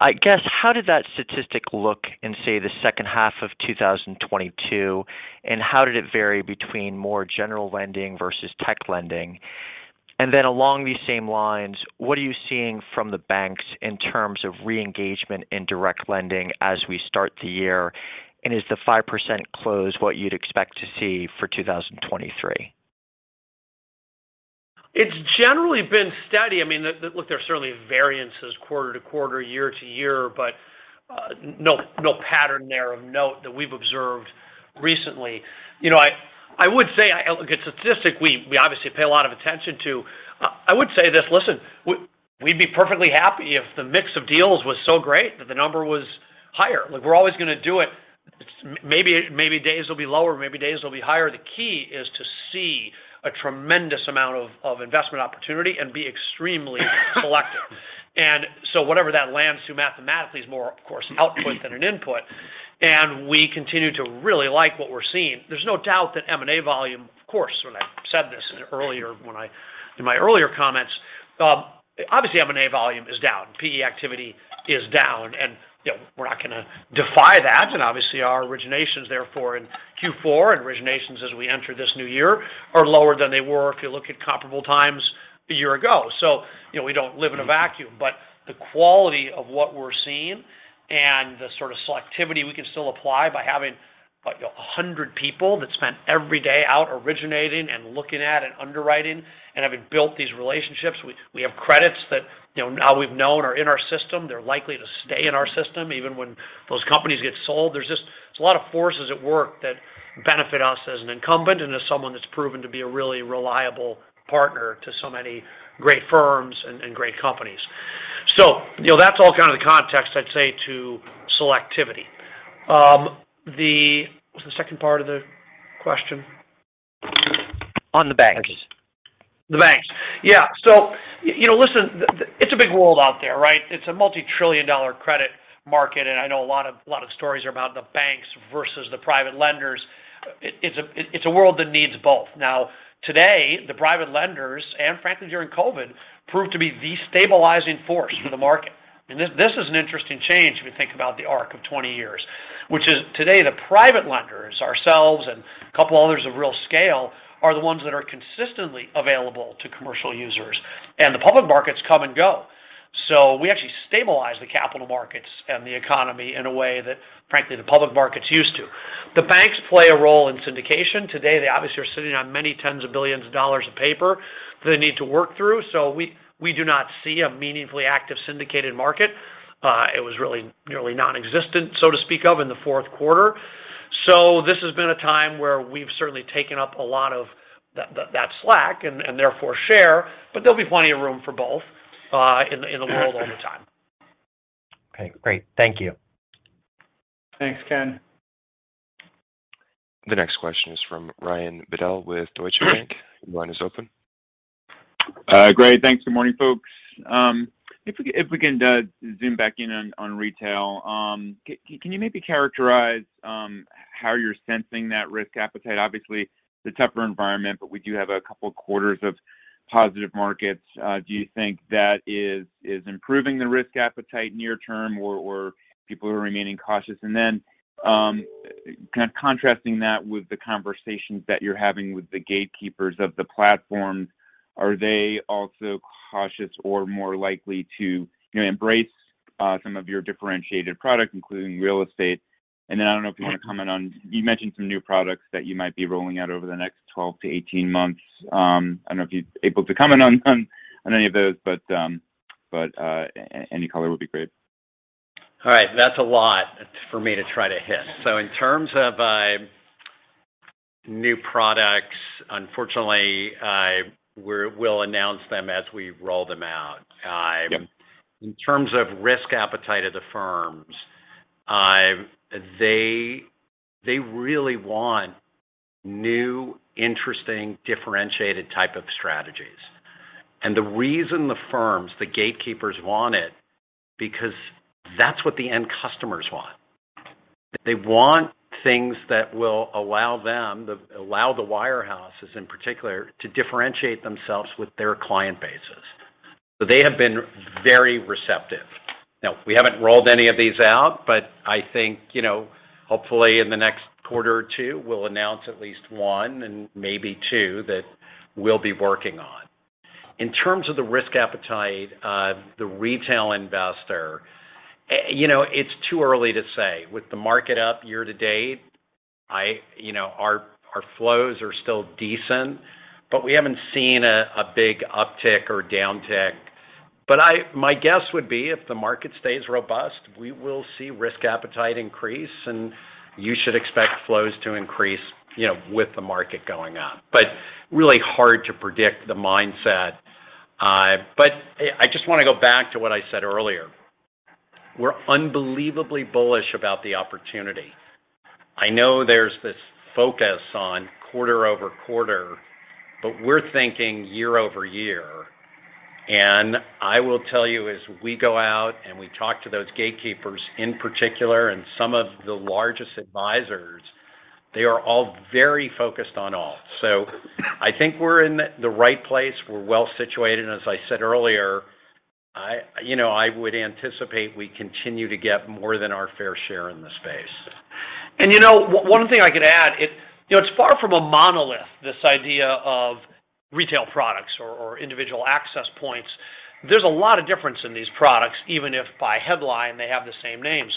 I guess how did that statistic look in, say, the second half of 2022, and how did it vary between more general lending versus tech lending? Then along these same lines, what are you seeing from the banks in terms of re-engagement in direct lending as we start the year? Is the 5% close what you'd expect to see for 2023? It's generally been steady. I mean, look, there's certainly variances quarter to quarter, year to year, but no pattern there of note that we've observed recently. You know, I would say, look, it's statistic we obviously pay a lot of attention to. I would say this: Listen, we'd be perfectly happy if the mix of deals was so great that the number was higher. Look, we're always gonna do it. Maybe days will be lower, maybe days will be higher. The key is to see a tremendous amount of investment opportunity and be extremely selective. Whatever that lands to mathematically is more, of course, an output than an input. We continue to really like what we're seeing. There's no doubt that M&A volume, of course, in my earlier comments, obviously M&A volume is down, PE activity is down, and, you know, we're not gonna defy that. Obviously our originations therefore in Q4 and originations as we enter this new year are lower than they were if you look at comparable times a year ago. You know, we don't live in a vacuum. The quality of what we're seeing and the sort of selectivity we can still apply by having 100 people that spend every day out originating and looking at and underwriting and having built these relationships. We have credits that, you know, now we've known are in our system. They're likely to stay in our system even when those companies get sold. There's a lot of forces at work that benefit us as an incumbent and as someone that's proven to be a really reliable partner to so many great firms and great companies. You know, that's all kind of the context, I'd say, to selectivity. What's the second part of the question? On the banks. The banks. Yeah. You know, listen, it's a big world out there, right? It's a multi-trillion dollar credit market, and I know a lot of stories are about the banks versus the private lenders. It's a world that needs both. Now, today, the private lenders, and frankly during COVID, proved to be the stabilizing force for the market. This is an interesting change if you think about the arc of 20 years. Which is today, the private lenders, ourselves and a couple others of real scale, are the ones that are consistently available to commercial users, and the public markets come and go. We actually stabilize the capital markets and the economy in a way that frankly the public markets used to. The banks play a role in syndication. Today, they obviously are sitting on many tens of billions of dollars of paper they need to work through, so we do not see a meaningfully active syndicated market. It was really nearly non-existent, so to speak of, in the fourth quarter. This has been a time where we've certainly taken up a lot of that slack and therefore share, but there'll be plenty of room for both in the world all the time. Okay, great. Thank you. Thanks, Ken. The next question is from Brian Bedell with Deutsche Bank. Your line is open. Great. Thanks. Good morning, folks. If we can zoom back in on retail. Can you maybe characterize how you're sensing that risk appetite? Obviously, it's a tougher environment, but we do have a couple quarters of positive markets. Do you think that is improving the risk appetite near term or people are remaining cautious? Then, kind of contrasting that with the conversations that you're having with the gatekeepers of the platform, are they also cautious or more likely to, you know, embrace some of your differentiated product, including real estate? Then I don't know if you want to comment on you mentioned some new products that you might be rolling out over the next 12-18 months? I don't know if you're able to comment on any of those, any color would be great. All right. That's a lot for me to try to hit. In terms of new products, unfortunately, we'll announce them as we roll them out. Yep. In terms of risk appetite of the firms, they really want new, interesting, differentiated type of strategies. The reason the firms, the gatekeepers want it, because that's what the end customers want. They want things that will allow them, allow the wirehouses in particular, to differentiate themselves with their client bases. They have been very receptive. We haven't rolled any of these out, but I think, you know, hopefully in the next quarter or two, we'll announce at least one and maybe two that we'll be working on. In terms of the risk appetite of the retail investor, you know, it's too early to say. With the market up year to date, you know, our flows are still decent, but we haven't seen a big uptick or downtick. My guess would be if the market stays robust, we will see risk appetite increase and you should expect flows to increase, you know, with the market going up. Really hard to predict the mindset. I just wanna go back to what I said earlier. We're unbelievably bullish about the opportunity. I know there's this focus on quarter-over-quarter, but we're thinking year-over-year. I will tell you as we go out and we talk to those gatekeepers in particular and some of the largest advisors. They are all very focused on all. I think we're in the right place. We're well situated. As I said earlier, you know, I would anticipate we continue to get more than our fair share in the space. You know, one thing I could add, it, you know, it's far from a monolith, this idea of retail products or individual access points. There's a lot of difference in these products, even if by headline they have the same names.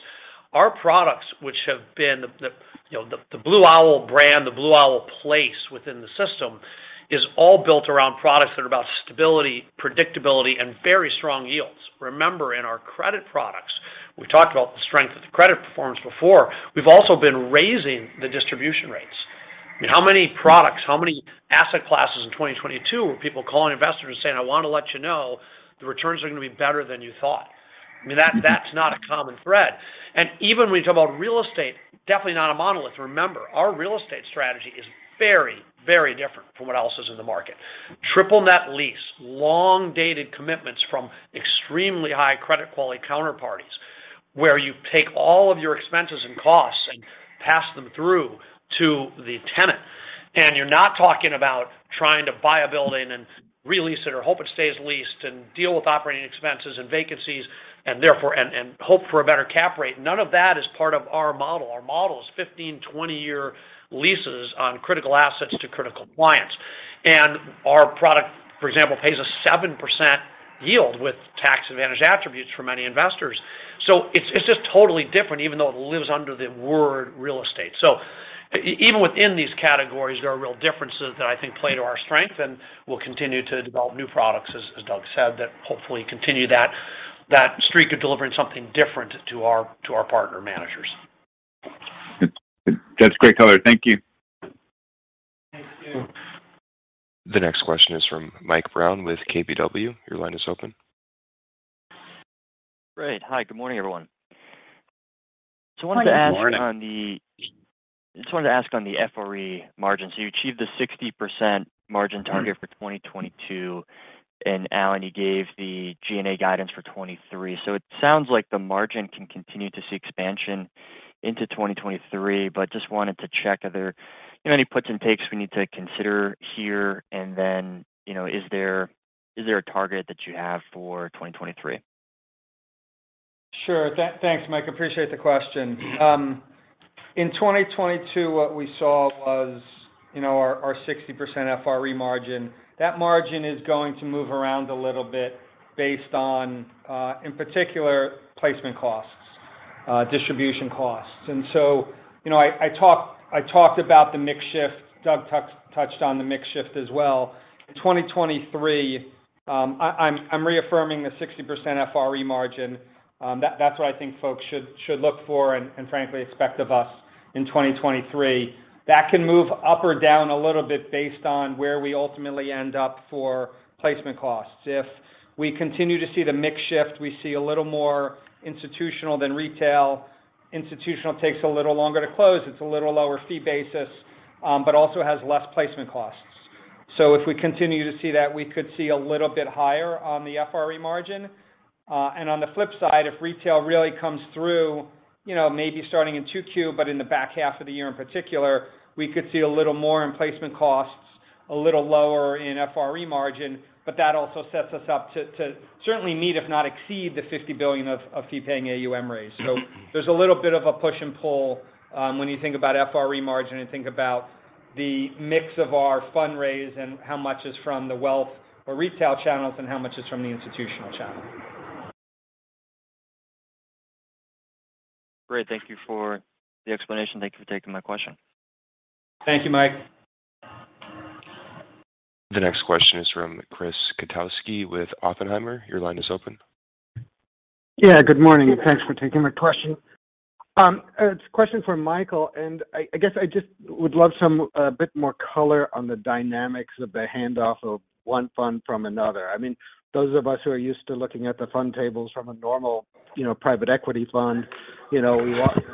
Our products, which have been the, you know, the Blue Owl brand, the Blue Owl place within the system, is all built around products that are about stability, predictability, and very strong yields. Remember, in our credit products, we've talked about the strength of the credit performance before. We've also been raising the distribution rates. I mean, how many products, how many asset classes in 2022 were people calling investors saying, "I wanna let you know the returns are gonna be better than you thought." I mean, that's not a common thread. Even when you talk about real estate, definitely not a monolith. Remember, our real estate strategy is very, very different from what else is in the market. triple net lease, long-dated commitments from extremely high credit quality counterparties, where you take all of your expenses and costs and pass them through to the tenant. You're not talking about trying to buy a building and re-lease it or hope it stays leased and deal with operating expenses and vacancies and hope for a better cap rate. None of that is part of our model. Our model is 15, 20-year leases on critical assets to critical clients. Our product, for example, pays a 7% yield with tax advantage attributes for many investors. It's, it's just totally different, even though it lives under the word real estate. Even within these categories, there are real differences that I think play to our strength, and we'll continue to develop new products, as Doug said, that hopefully continue that streak of delivering something different to our partner managers. Good. That's great color. Thank you. The next question is from Mike Brown with KBW. Your line is open. Great. Hi, good morning, everyone. Good morning. Just wanted to ask on the FRE margin. You achieved the 60% margin target for 2022, and Alan, you gave the G&A guidance for 2023. It sounds like the margin can continue to see expansion into 2023, but just wanted to check are there, you know, any puts and takes we need to consider here, and then, you know, is there a target that you have for 2023? Sure. Thanks, Mike. Appreciate the question. In 2022, what we saw was, you know, our 60% FRE margin. That margin is going to move around a little bit based on, in particular, placement costs, distribution costs. You know, I talked about the mix shift. Doug touched on the mix shift as well. In 2023, I'm reaffirming the 60% FRE margin. That's what I think folks should look for and frankly expect of us in 2023. That can move up or down a little bit based on where we ultimately end up for placement costs. If we continue to see the mix shift, we see a little more institutional than retail. Institutional takes a little longer to close. It's a little lower fee basis, but also has less placement costs. If we continue to see that, we could see a little bit higher on the FRE margin. On the flip side, if retail really comes through, you know, maybe starting in 2Q, but in the back half of the year in particular, we could see a little more in placement costs, a little lower in FRE margin, but that also sets us up to certainly meet, if not exceed, the $50 billion of fee-paying AUM raise. There's a little bit of a push and pull when you think about FRE margin and think about the mix of our fund raise and how much is from the wealth or retail channels and how much is from the institutional channel. Great. Thank you for the explanation. Thank you for taking my question. Thank you, Mike. The next question is from Chris Kotowski with Oppenheimer. Your line is open. Good morning, and thanks for taking my question. It's a question for Michael, and I guess I just would love some, a bit more color on the dynamics of the handoff of one fund from another. I mean, those of us who are used to looking at the fund tables from a normal, you know, private equity fund, you know,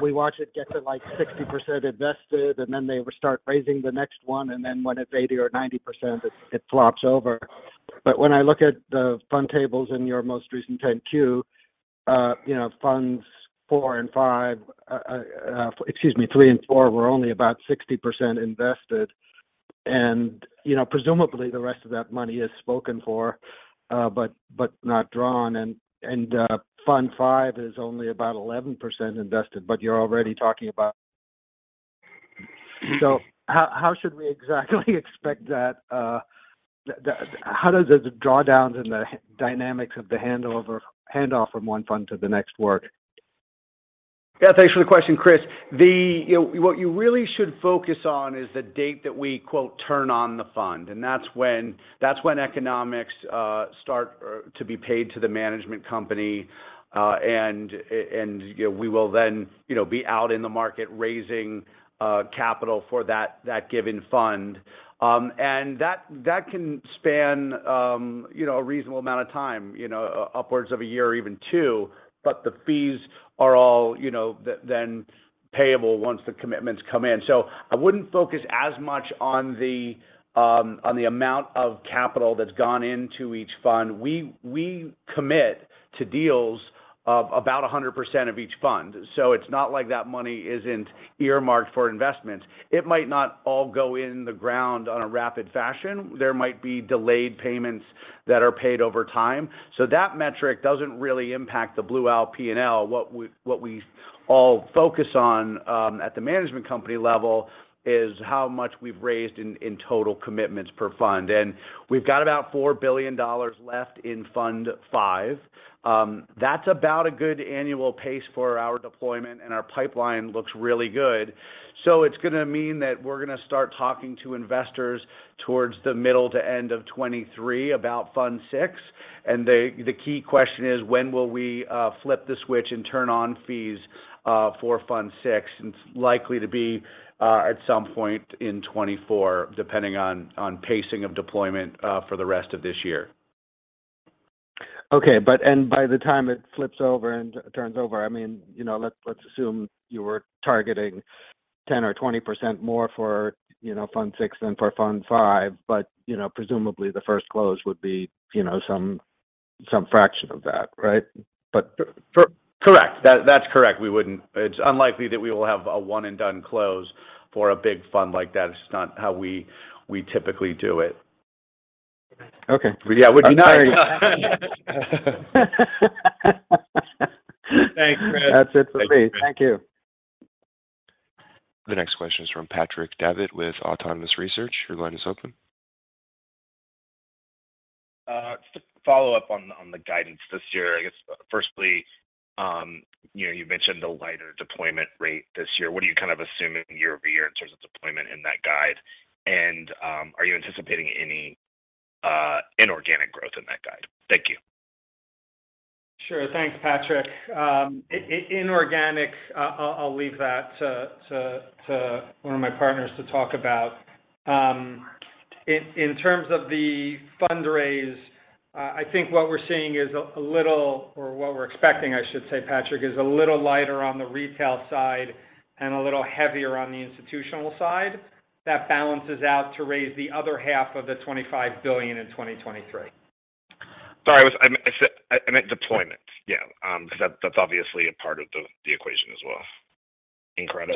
we watch it get to, like, 60% invested, and then they start raising the next one, and then when it's 80% or 90%, it flops over. When I look at the fund tables in your most recent 10-Q, you know, Funds IV and V, excuse me, Funds III and IV were only about 60% invested. You know, presumably the rest of that money is spoken for, but not drawn. Fund V is only about 11% invested, but you're already talking about... How should we exactly expect that the drawdowns and the dynamics of the handoff from one fund to the next work? Yeah, thanks for the question, Chris. You know, what you really should focus on is the date that we, quote, "Turn on the fund." That's when economics start to be paid to the management company. You know, we will then, you know, be out in the market raising capital for that given fund. That can span, you know, a reasonable amount of time, you know, upwards of a year or even two, but the fees are all, you know, then payable once the commitments come in. I wouldn't focus as much on the amount of capital that's gone into each fund. We commit to deals of about 100% of each fund. It's not like that money isn't earmarked for investment. It might not all go in the ground on a rapid fashion. There might be delayed payments. That are paid over time. That metric doesn't really impact the Blue Owl P&L. What we all focus on at the management company level is how much we've raised in total commitments per fund. We've got about $4 billion left in Fund V. That's about a good annual pace for our deployment, and our pipeline looks really good. It's gonna mean that we're gonna start talking to investors towards the middle to end of 2023 about Fund VI, the key question is, when will we flip the switch and turn on fees for Fund VI? It's likely to be at some point in 2024, depending on pacing of deployment for the rest of this year. Okay. By the time it flips over and turns over, I mean, you know, let's assume you were targeting 10% or 20% more for, you know, Fund VI than for Fund V. You know, presumably, the first close would be, you know, some fraction of that, right? Correct. That's correct. We wouldn't. It's unlikely that we will have a one and done close for a big fund like that. It's not how we typically do it. Okay. Yeah. It would be nice. Thanks, Chris. That's it for me. Thank you. The next question is from Patrick Davitt with Autonomous Research. Your line is open. Just to follow up on the guidance this year. I guess firstly, you know, you mentioned the lighter deployment rate this year. What are you kind of assuming year-over-year in terms of deployment in that guide? Are you anticipating any inorganic growth in that guide? Thank you. Sure. Thanks, Patrick. inorganic, I'll leave that to one of my partners to talk about. in terms of the fundraise, I think what we're seeing is a little or what we're expecting, I should say, Patrick, is a little lighter on the retail side and a little heavier on the institutional side. That balances out to raise the other half of the $25 billion in 2023. Sorry. I meant deployment. Yeah. 'cause that's obviously a part of the equation as well in credit.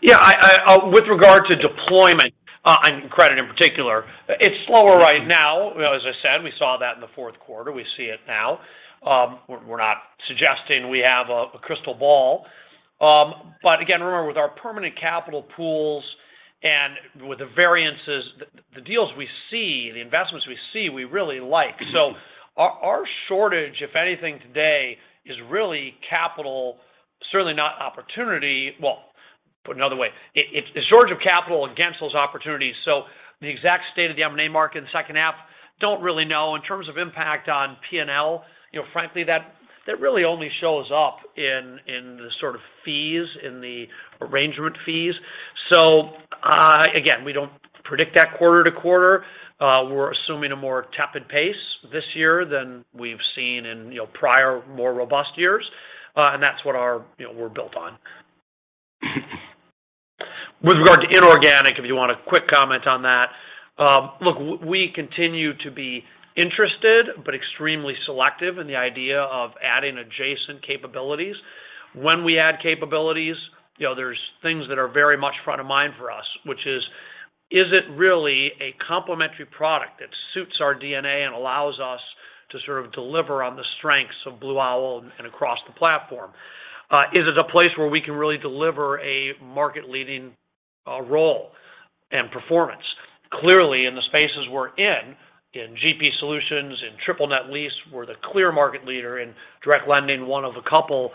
Yeah. I with regard to deployment, and credit in particular, it's slower right now. You know, as I said, we saw that in the fourth quarter. We see it now. We're not suggesting we have a crystal ball. But again, remember, with our permanent capital pools and with the variances, the deals we see, the investments we see, we really like. Our shortage, if anything today, is really capital, certainly not opportunity. Well, put another way. It's a shortage of capital against those opportunities. The exact state of the M&A market in the second half, don't really know. In terms of impact on P&L, you know, frankly, that really only shows up in the sort of fees, in the arrangement fees. Again, we don't predict that quarter to quarter. We're assuming a more tepid pace this year than we've seen in, you know, prior, more robust years. And that's what our... you know, we're built on. With regard to inorganic, if you want a quick comment on that. Look, we continue to be interested but extremely selective in the idea of adding adjacent capabilities. When we add capabilities, you know, there's things that are very much front of mind for us, which is it really a complementary product that suits our DNA and allows us to sort of deliver on the strengths of Blue Owl and across the platform? Is it a place where we can really deliver a market-leading role and performance? Clearly, in the spaces we're in GP Solutions, in triple net lease, we're the clear market leader. In direct lending, one of a couple.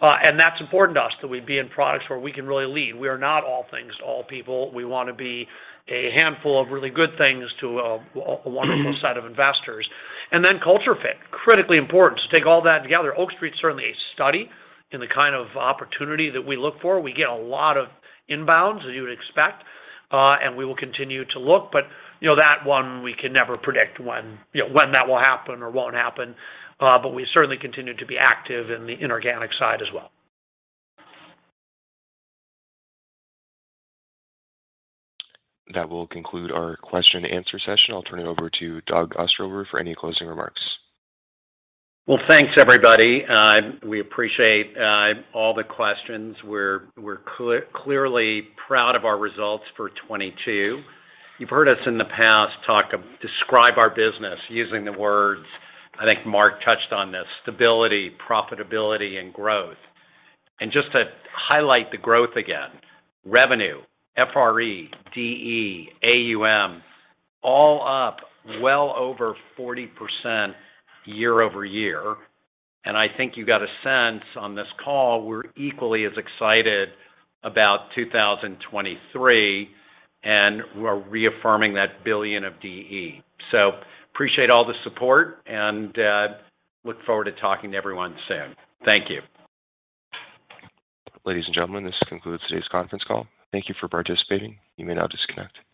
That's important to us that we be in products where we can really lead. We are not all things to all people. We wanna be a handful of really good things to a wonderful set of investors. Then culture fit, critically important to take all that together. Oak Street's certainly a study in the kind of opportunity that we look for. We get a lot of inbounds, as you would expect, and we will continue to look. You know, that one, we can never predict when, you know, that will happen or won't happen. We certainly continue to be active in the inorganic side as well. That will conclude our question and answer session. I'll turn it over to Doug Ostrover for any closing remarks. Well, thanks, everybody. We appreciate all the questions. We're clearly proud of our results for 2022. You've heard us in the past describe our business using the words, I think Marc touched on this, stability, profitability, and growth. Just to highlight the growth again, revenue, FRE, DE, AUM, all up well over 40% year-over-year. I think you got a sense on this call we're equally as excited about 2023, and we're reaffirming that $1 billion of DE. Appreciate all the support and look forward to talking to everyone soon. Thank you. Ladies and gentlemen, this concludes today's conference call. Thank you for participating. You may now disconnect.